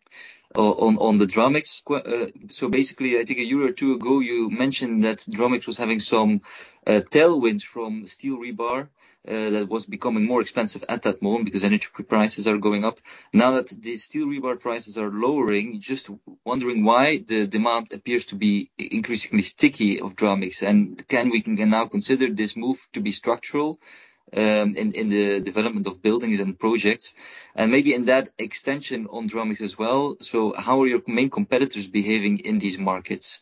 Dramix. Basically, I think a year or two ago, you mentioned that Dramix was having some tailwinds from steel rebar, that was becoming more expensive at that moment because energy prices are going up. Now that the steel rebar prices are lowering, just wondering why the demand appears to be increasingly sticky of Dramix, and can we can now consider this move to be structural, in the development of buildings and projects? Maybe in that extension on Dramix as well, how are your main competitors behaving in these markets?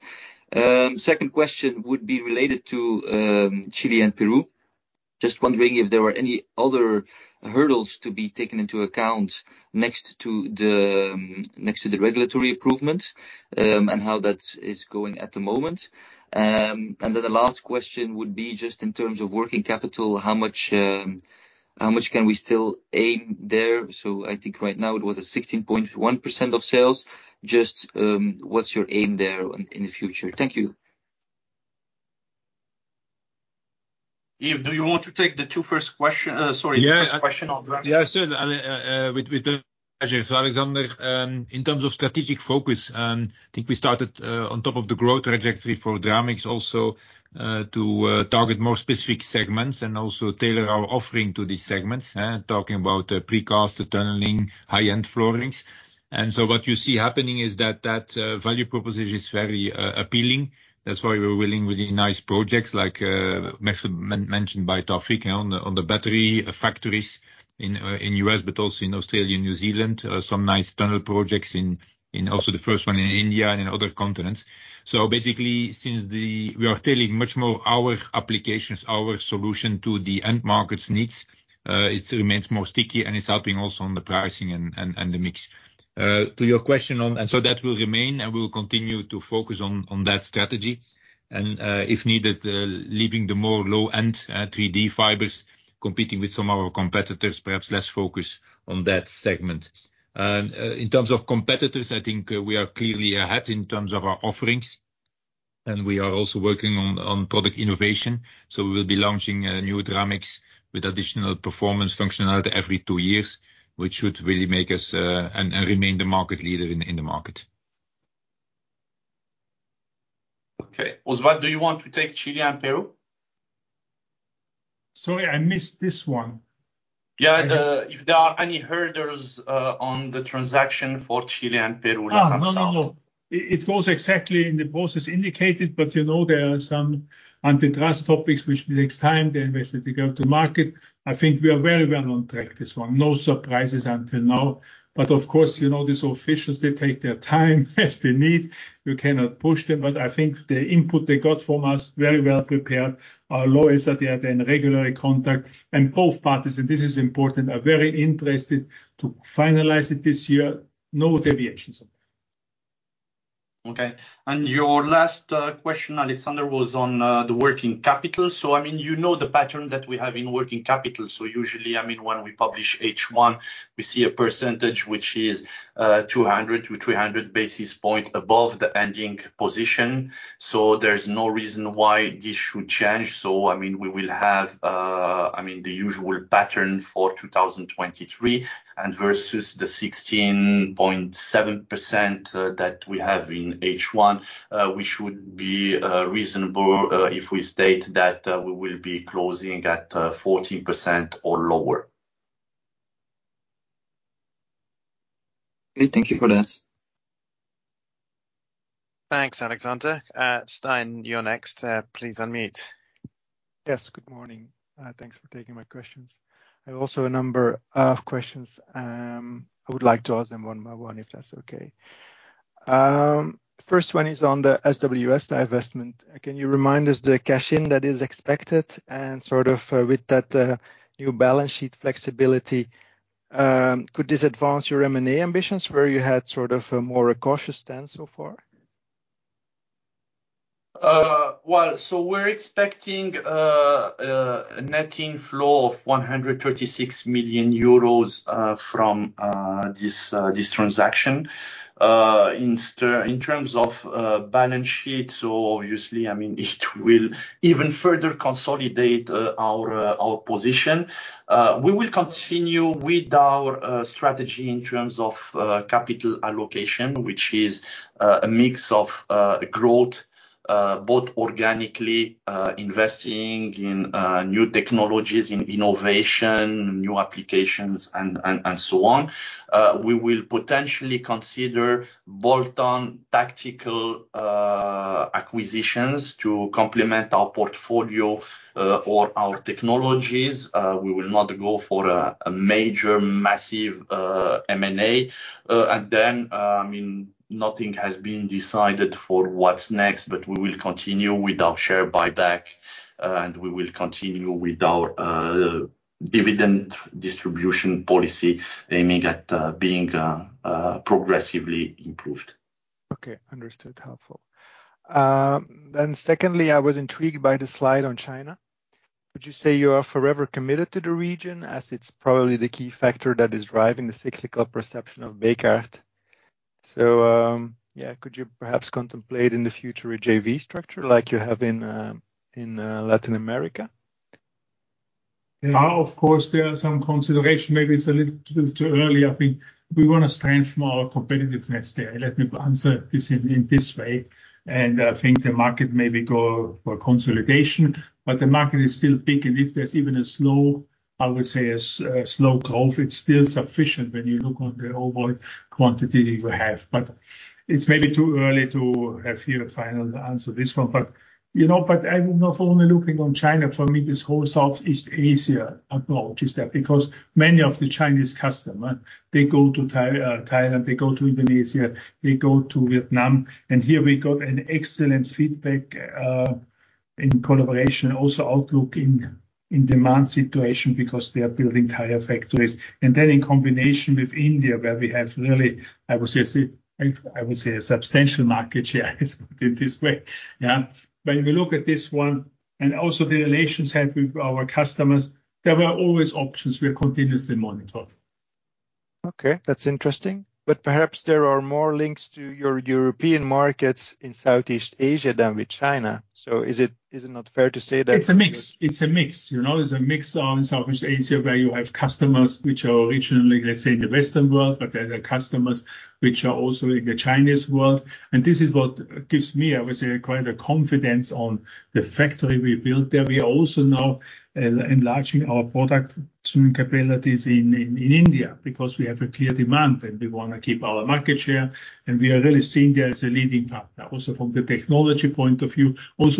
Second question would be related to Chile and Peru. Just wondering if there were any other hurdles to be taken into account next to the next to the regulatory improvements and how that is going at the moment? Then the last question would be just in terms of working capital, how much how much can we still aim there? I think right now it was at 16.1% of sales. Just what's your aim there in the future? Thank you. Yves, do you want to take the two first question, sorry. Yeah First question on Dramix? Yeah, sure, Alexander, in terms of strategic focus, I think we started on top of the growth trajectory for Dramix also to target more specific segments and also tailor our offering to these segments, talking about precast, tunneling, high-end floorings. What you see happening is that that value proposition is very appealing. That's why we're willing, with the nice projects like mentioned by Taoufiq, on the battery factories in the U.S., but also in Australia and New Zealand, some nice tunnel projects in also the first one in India and in other continents. Since the... we are tailoring much more our applications, our solution to the end market's needs, it remains more sticky, and it's helping also on the pricing and the mix. To your question, that will remain, and we will continue to focus on that strategy, and if needed, leaving the more low-end 3D fibers, competing with some of our competitors, perhaps less focus on that segment. In terms of competitors, I think we are clearly ahead in terms of our offerings, and we are also working on product innovation. We will be launching a new Dramix with additional performance functionality every two years, which should really make us and remain the market leader in the market. Okay. Oswald, do you want to take Chile and Peru? Sorry, I missed this one. If there are any hurdles on the transaction for Chile and Peru. Ah, no, no, no. Latin South. It goes exactly in the process indicated. You know, there are some antitrust topics which takes time to invest, to go to market. I think we are very well on track, this one. No surprises until now. Of course, you know, these officials, they take their time as they need. You cannot push them. I think the input they got from us, very well prepared. Our lawyers are there in regular contact, and both parties, and this is important, are very interested to finalize it this year. No deviations on that. Okay. Your last question, Alexander, was on the working capital. I mean, you know the pattern that we have in working capital. Usually, I mean, when we publish H1, we see a percentage which is 200 basis points-300 basis points above the ending position. There's no reason why this should change. I mean, we will have, I mean, the usual pattern for 2023, and versus the 16.7% that we have in H1, we should be reasonable, if we state that we will be closing at 14% or lower. Okay, thank you for that. Thanks, Alexander. Stijn, you're next. Please unmute. Yes, good morning. Thanks for taking my questions. I have also a number of questions. I would like to ask them one by one, if that's okay. 1st one is on the SWS divestment. Can you remind us the cash-in that is expected? With that new balance sheet flexibility, could this advance your M&A ambitions, where you had a more cautious stance so far? Well, we're expecting a netting flow of 136 million euros from this transaction. In terms of balance sheet, obviously, I mean, it will even further consolidate our position. We will continue with our strategy in terms of capital allocation, which is a mix of growth, both organically, investing in new technologies, in innovation, new applications, and so on. We will potentially consider bolt-on tactical acquisitions to complement our portfolio or our technologies. We will not go for a major, massive M&A. I mean, nothing has been decided for what's next, but we will continue with our share buyback, and we will continue with our dividend distribution policy, aiming at being progressively improved. Okay. Understood. Helpful. Then secondly, I was intrigued by the slide on China. Would you say you are forever committed to the region, as it's probably the key factor that is driving the cyclical perception of Bekaert? Yeah, could you perhaps contemplate in the future a JV structure like you have in Latin America? Now, of course, there are some considerations. Maybe it's a little too early. I think we want to strengthen our competitiveness there. Let me answer this in, in this way. I think the market may go for consolidation, but the market is still big, and if there's even a slow, I would say, a slow growth, it's still sufficient when you look on the overall quantity we have. It's maybe too early to have here a final answer, this one. You know, but I'm not only looking on China. For me, this whole Southeast Asia approach is there, because many of the Chinese customer, they go to Thailand, they go to Indonesia, they go to Vietnam. Here we got an excellent feedback in collaboration, also outlook in, in demand situation, because they are building tire factories. Then in combination with India, where we have really, I would say, a substantial market share, let's put it this way. When we look at this one, and also the relations we have with our customers, there are always options we are continuously monitoring. Okay, that's interesting. Perhaps there are more links to your European markets in Southeast Asia than with China. Is it, is it not fair to say that- It's a mix. It's a mix, you know? It's a mix on Southeast Asia, where you have customers which are originally, let's say, in the Western world, but there are customers which are also in the Chinese world. This is what gives me, I would say, quite a confidence on the factory we built there. We are also now enlarging our product tuning capabilities in India, because we have a clear demand, and we want to keep our market share. We are really seeing there as a leading partner, also from the technology point of view.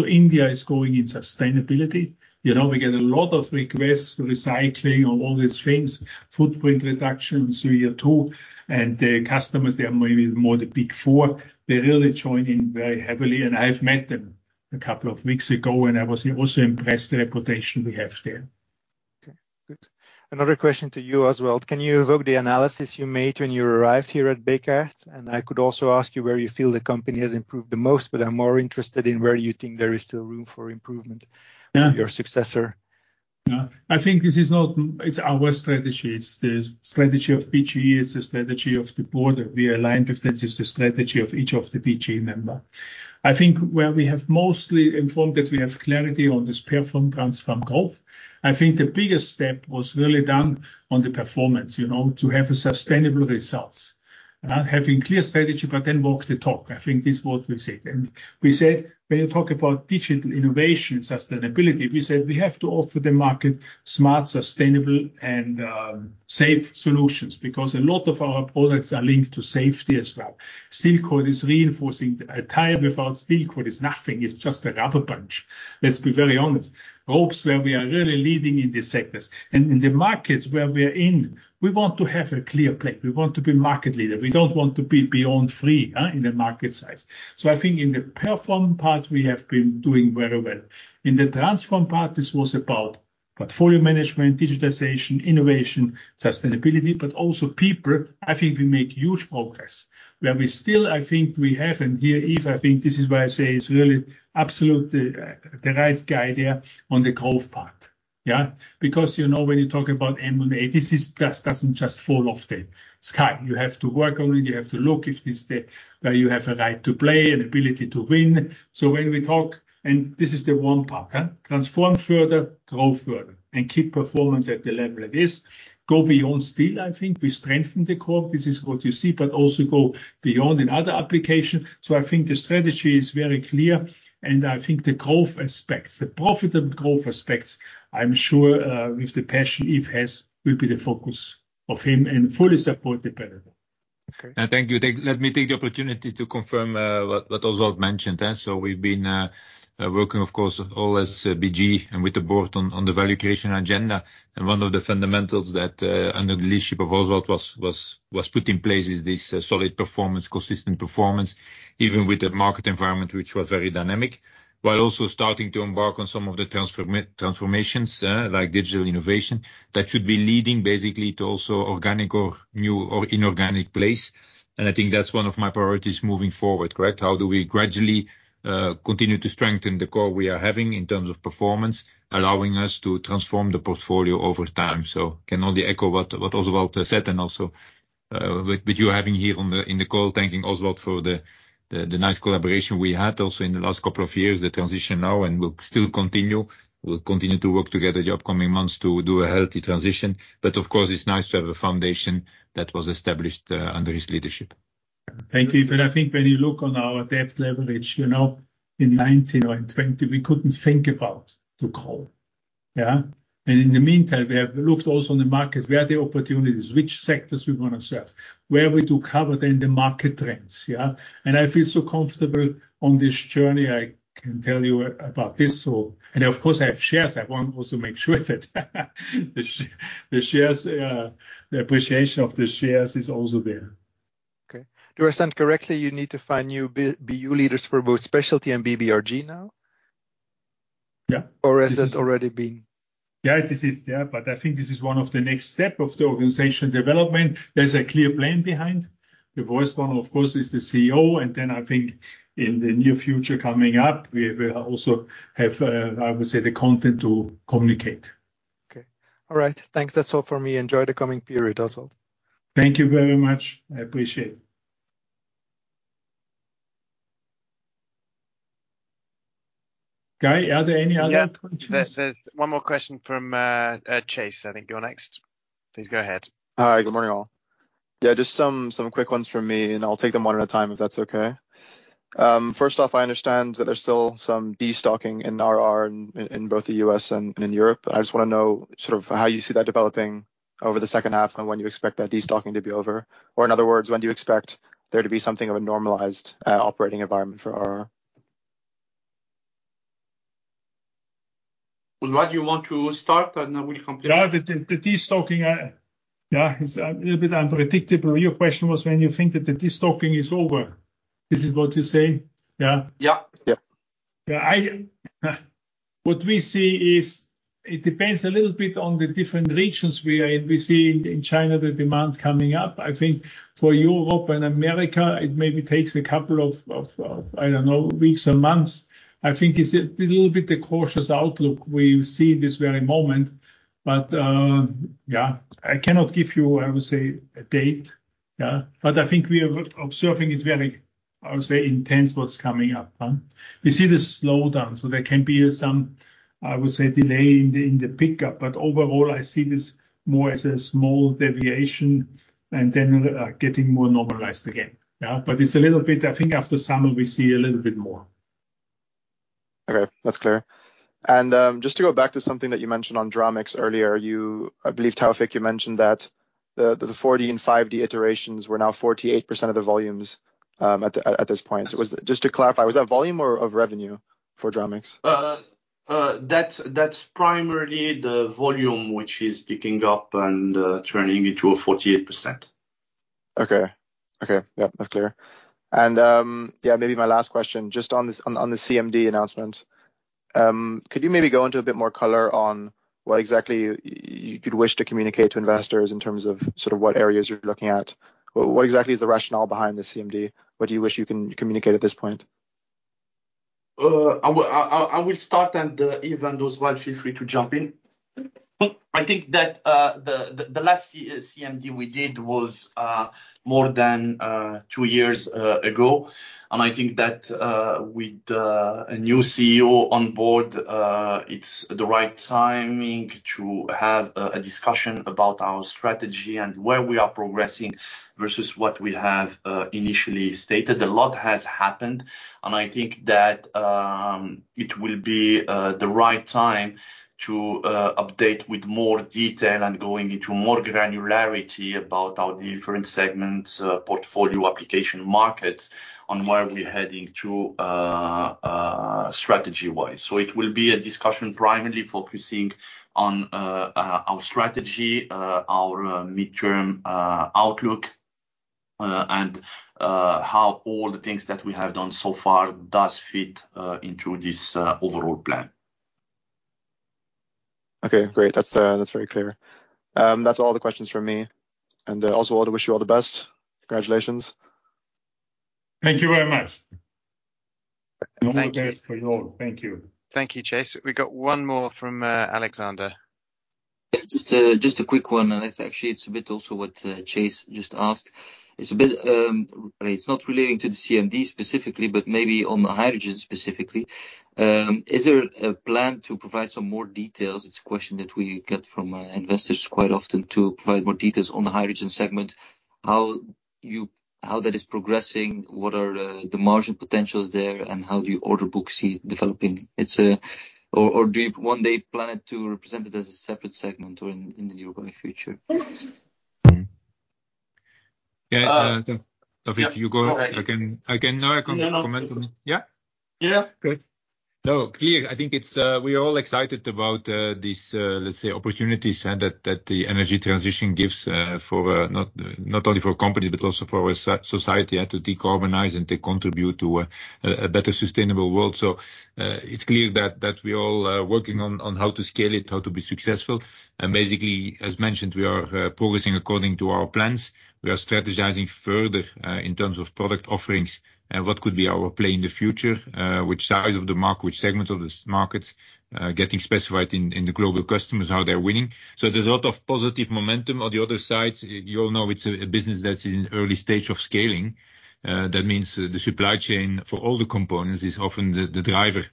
India is going in Sustainability. You know, we get a lot of requests for recycling and all these things, footprint reduction, CO2. The customers, they are maybe more the Big Four, they're really joining very heavily, and I have met them a couple of weeks ago, and I was also impressed the reputation we have there. Okay, good. Another question to you as well. Can you evoke the analysis you made when you arrived here at Bekaert? I could also ask you where you feel the company has improved the most, but I'm more interested in where you think there is still room for improvement? Yeah For your successor. Yeah. I think this is not our strategy. It's the strategy of BGE, it's the strategy of the Board. We are aligned, if this is the strategy of each of the BGE member. I think where we have mostly informed that we have clarity on this Perform, Transform, Grow, I think the biggest step was really done on the performance, you know, to have a sustainable results. Having clear strategy, but then walk the talk. I think this is what we said. We said when you talk about digital innovation, Sustainability, we said we have to offer the market smart, sustainable, and safe solutions, because a lot of our products are linked to safety as well. Steel cord is reinforcing. A tire without steel cord is nothing. It's just a rubber bunch. Let's be very honest. Ropes, where we are really leading in this segment. In the markets where we are in, we want to have a clear play. We want to be market leader. We don't want to be beyond three in the market size. I think in the perform part, we have been doing very well. In the transform part, this was about portfolio management, digitization, innovation, sustainability, but also people, I think we make huge progress. Where we still, I think we have, and here, Yves, I think this is where I say it's really absolutely the right guy there on the growth part, yeah? Because, you know, when you talk about M&A, this doesn't just fall off the sky. You have to work on it, you have to look if this is where you have a right to play and ability to win. When we talk. This is the one part, huh? Transform further, grow further, and keep performance at the level it is. Go beyond still, I think we strengthen the core. This is what you see, but also go beyond in other application. I think the strategy is very clear, and I think the growth aspects, the profitable growth aspects, I'm sure, with the passion Yves has, will be the focus of him and fully supported by them. Okay. Thank you. Let me take the opportunity to confirm what Oswald mentioned. We've been working, of course, all as BG and with the board on the valuation agenda. One of the fundamentals that under the leadership of Oswald was, was, was put in place is this solid performance, consistent performance, even with the market environment, which was very dynamic, while also starting to embark on some of the transformations, like digital innovation, that should be leading basically to also organic or new or inorganic place. I think that's one of my priorities moving forward, correct? How do we gradually continue to strengthen the core we are having in terms of performance, allowing us to transform the portfolio over time? Can only echo what Oswald said, and also, with you having here on the, in the call, thanking Oswald for the nice collaboration we had also in the last couple of years, the transition now, and we'll still continue. We'll continue to work together the upcoming months to do a healthy transition. Of course, it's nice to have a foundation that was established, under his leadership. Thank you. I think when you look on our debt leverage, you know, in 2019 or in 2020, we couldn't think about the call, yeah? In the meantime, we have looked also on the market, where are the opportunities, which sectors we want to serve, where we do cover then the market trends, yeah? I feel so comfortable on this journey. I can tell you about this. Of course, I have shares. I want to also make sure that the shares, the appreciation of the shares is also there. Okay. Do I understand correctly, you need to find new BU leaders for both Specialty and BBRG now? Yeah. Has it already been? Yeah, it is, yeah. I think this is one of the next step of the organization development. There's a clear plan behind. The first one, of course, is the CEO. Then I think in the near future coming up, we will also have, I would say, the content to communicate. Okay. All right. Thanks. That's all for me. Enjoy the coming period as well. Thank you very much. I appreciate it. Guy, are there any other questions? Yeah, there's one more question from Chase. I think you're next. Please go ahead. Hi. Good morning, all. Just some quick ones from me, and I'll take them one at a time, if that's okay. First off, I understand that there's still some destocking in RR in, in both the U.S. and in Europe. I just wanna know sort of how you see that developing over the second half, when you expect that destocking to be over. In other words, when do you expect there to be something of a normalized operating environment for RR? Oswald, you want to start, and I will complete? The, the, the destocking, yeah, it's a little bit unpredictable. Your question was when you think that the destocking is over. This is what you say, yeah? Yeah. Yep. Yeah, what we see is it depends a little bit on the different regions we are in. We see in China, the demand coming up. I think for Europe and America, it maybe takes a couple of weeks or months. I think it's a little bit the cautious outlook we see this very moment, but yeah, I cannot give you, I would say, a date, yeah. But I think we are observing it very, I would say, intense, what's coming up, huh? We see the slowdown, so there can be some, I would say, delay in the pickup, but overall, I see this more as a small deviation and then getting more normalized again. Yeah, but it's a little bit. I think after summer, we see a little bit more. Okay, that's clear. Just to go back to something that you mentioned on Dramix earlier, you, I believe, Taoufiq, you mentioned that the, the 4D and 5D iterations were now 48% of the volumes, at the, at this point. Just to clarify, was that volume or of revenue for Dramix? That's, that's primarily the volume which is picking up and turning into a 48%. Okay. Okay, yep, that's clear. Yeah, maybe my last question, just on this, on, on the CMD announcement, could you maybe go into a bit more color on what exactly you, you'd wish to communicate to investors in terms of sort of what areas you're looking at? What exactly is the rationale behind the CMD? What do you wish you can communicate at this point? I will, I, I, I will start, and Yves and Oswald, feel free to jump in. I think that the, the, the last C- CMD we did was more than 2 years ago, and I think that with a new CEO on board, it's the right timing to have a discussion about our strategy and where we are progressing versus what we have initially stated. A lot has happened, and I think that it will be the right time to update with more detail and going into more granularity about our different segments, portfolio, application markets, on where we're heading to, strategy-wise. It will be a discussion primarily focusing on our strategy, our midterm outlook. And how all the things that we have done so far does fit into this overall plan. Okay, great. That's, that's very clear. That's all the questions from me. Also, I want to wish you all the best. Congratulations. Thank you very much. Thank you. All the best for you all. Thank you. Thank you, Chase. We got one more from, Alexander. Just a, just a quick one, and it's actually, it's a bit also what Chase just asked. It's a bit. It's not relating to the CMD specifically, but maybe on the hydrogen specifically. Is there a plan to provide some more details? It's a question that we get from investors quite often to provide more details on the hydrogen segment. How that is progressing? What are the margin potentials there, and how do you order book see developing? It's. Or, or do you one day plan to represent it as a separate segment or in, in the nearby future? Mm-hmm. Yeah, Yves, you go. I can, I can... No, I can comment on it. Yeah? Yeah. Great. No, clear. I think it's, we're all excited about this opportunities and that the energy transition gives for not only for company but also for society to decarbonize and to contribute to a better, sustainable world. It's clear that we all are working on how to scale it, how to be successful. As mentioned, we are progressing according to our plans. We are strategizing further in terms of product offerings and what could be our play in the future, which side of the market, which segment of this market, getting specified in the global customers, how they're winning. There's a lot of positive momentum. On the other side, you all know it's a business that's in early stage of scaling. That means the supply chain for all the components is often the driver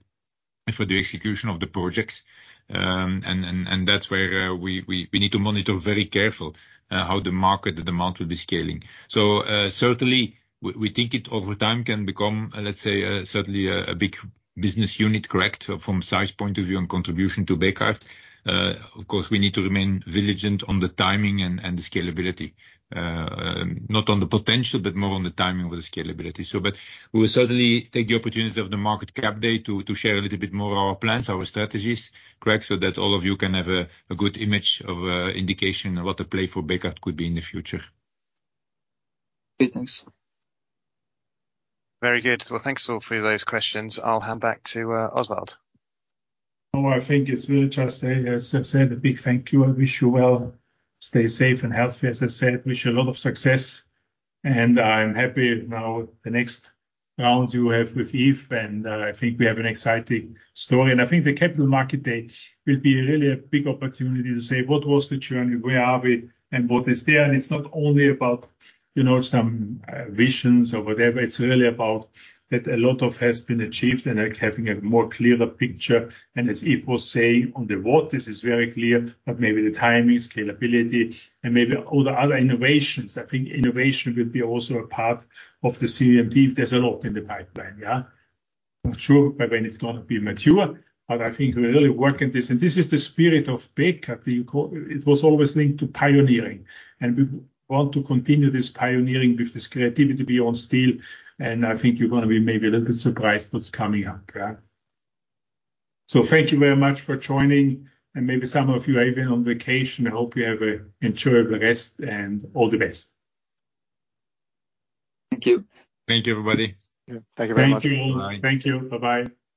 for the execution of the projects. And that's where we need to monitor very careful how the market, the demand will be scaling. Certainly, we think it over time can become, let's say, certainly a big business unit, correct? From size point of view and contribution to Bekaert. Of course, we need to remain vigilant on the timing and the scalability. Not on the potential, but more on the timing of the scalability. But we will certainly take the opportunity of the market cap day to share a little bit more of our plans, our strategies, correct? That all of you can have a, a good image of, indication of what the play for Bekaert could be in the future. Great. Thanks. Very good. Well, thanks all for those questions. I'll hand back to Oswald. Well, I think it's really just, as I said, a big thank you. I wish you well. Stay safe and healthy, as I said. Wish you a lot of success. I'm happy now the next round you have with Yves Kerstens, and I think we have an exciting story. I think the Capital Market Day will be really a big opportunity to say what was the journey, where are we, and what is there? It's not only about, you know, some visions or whatever, it's really about that a lot of has been achieved and, like, having a more clearer picture. As Yves Kerstens was saying, on the what, this is very clear, but maybe the timing, scalability, and maybe all the other innovations. I think innovation will be also a part of the CMD. There's a lot in the pipeline, yeah? Not sure by when it's gonna be mature, but I think we're really working this. This is the spirit of Bekaert. It was always linked to pioneering, and we want to continue this pioneering with this creativity beyond steel, and I think you're gonna be maybe a little bit surprised what's coming up, yeah. Thank you very much for joining, and maybe some of you are even on vacation. I hope you have a enjoyable rest, and all the best. Thank you. Thank you, everybody. Thank you very much. Thank you. Bye. Thank you. Bye-bye.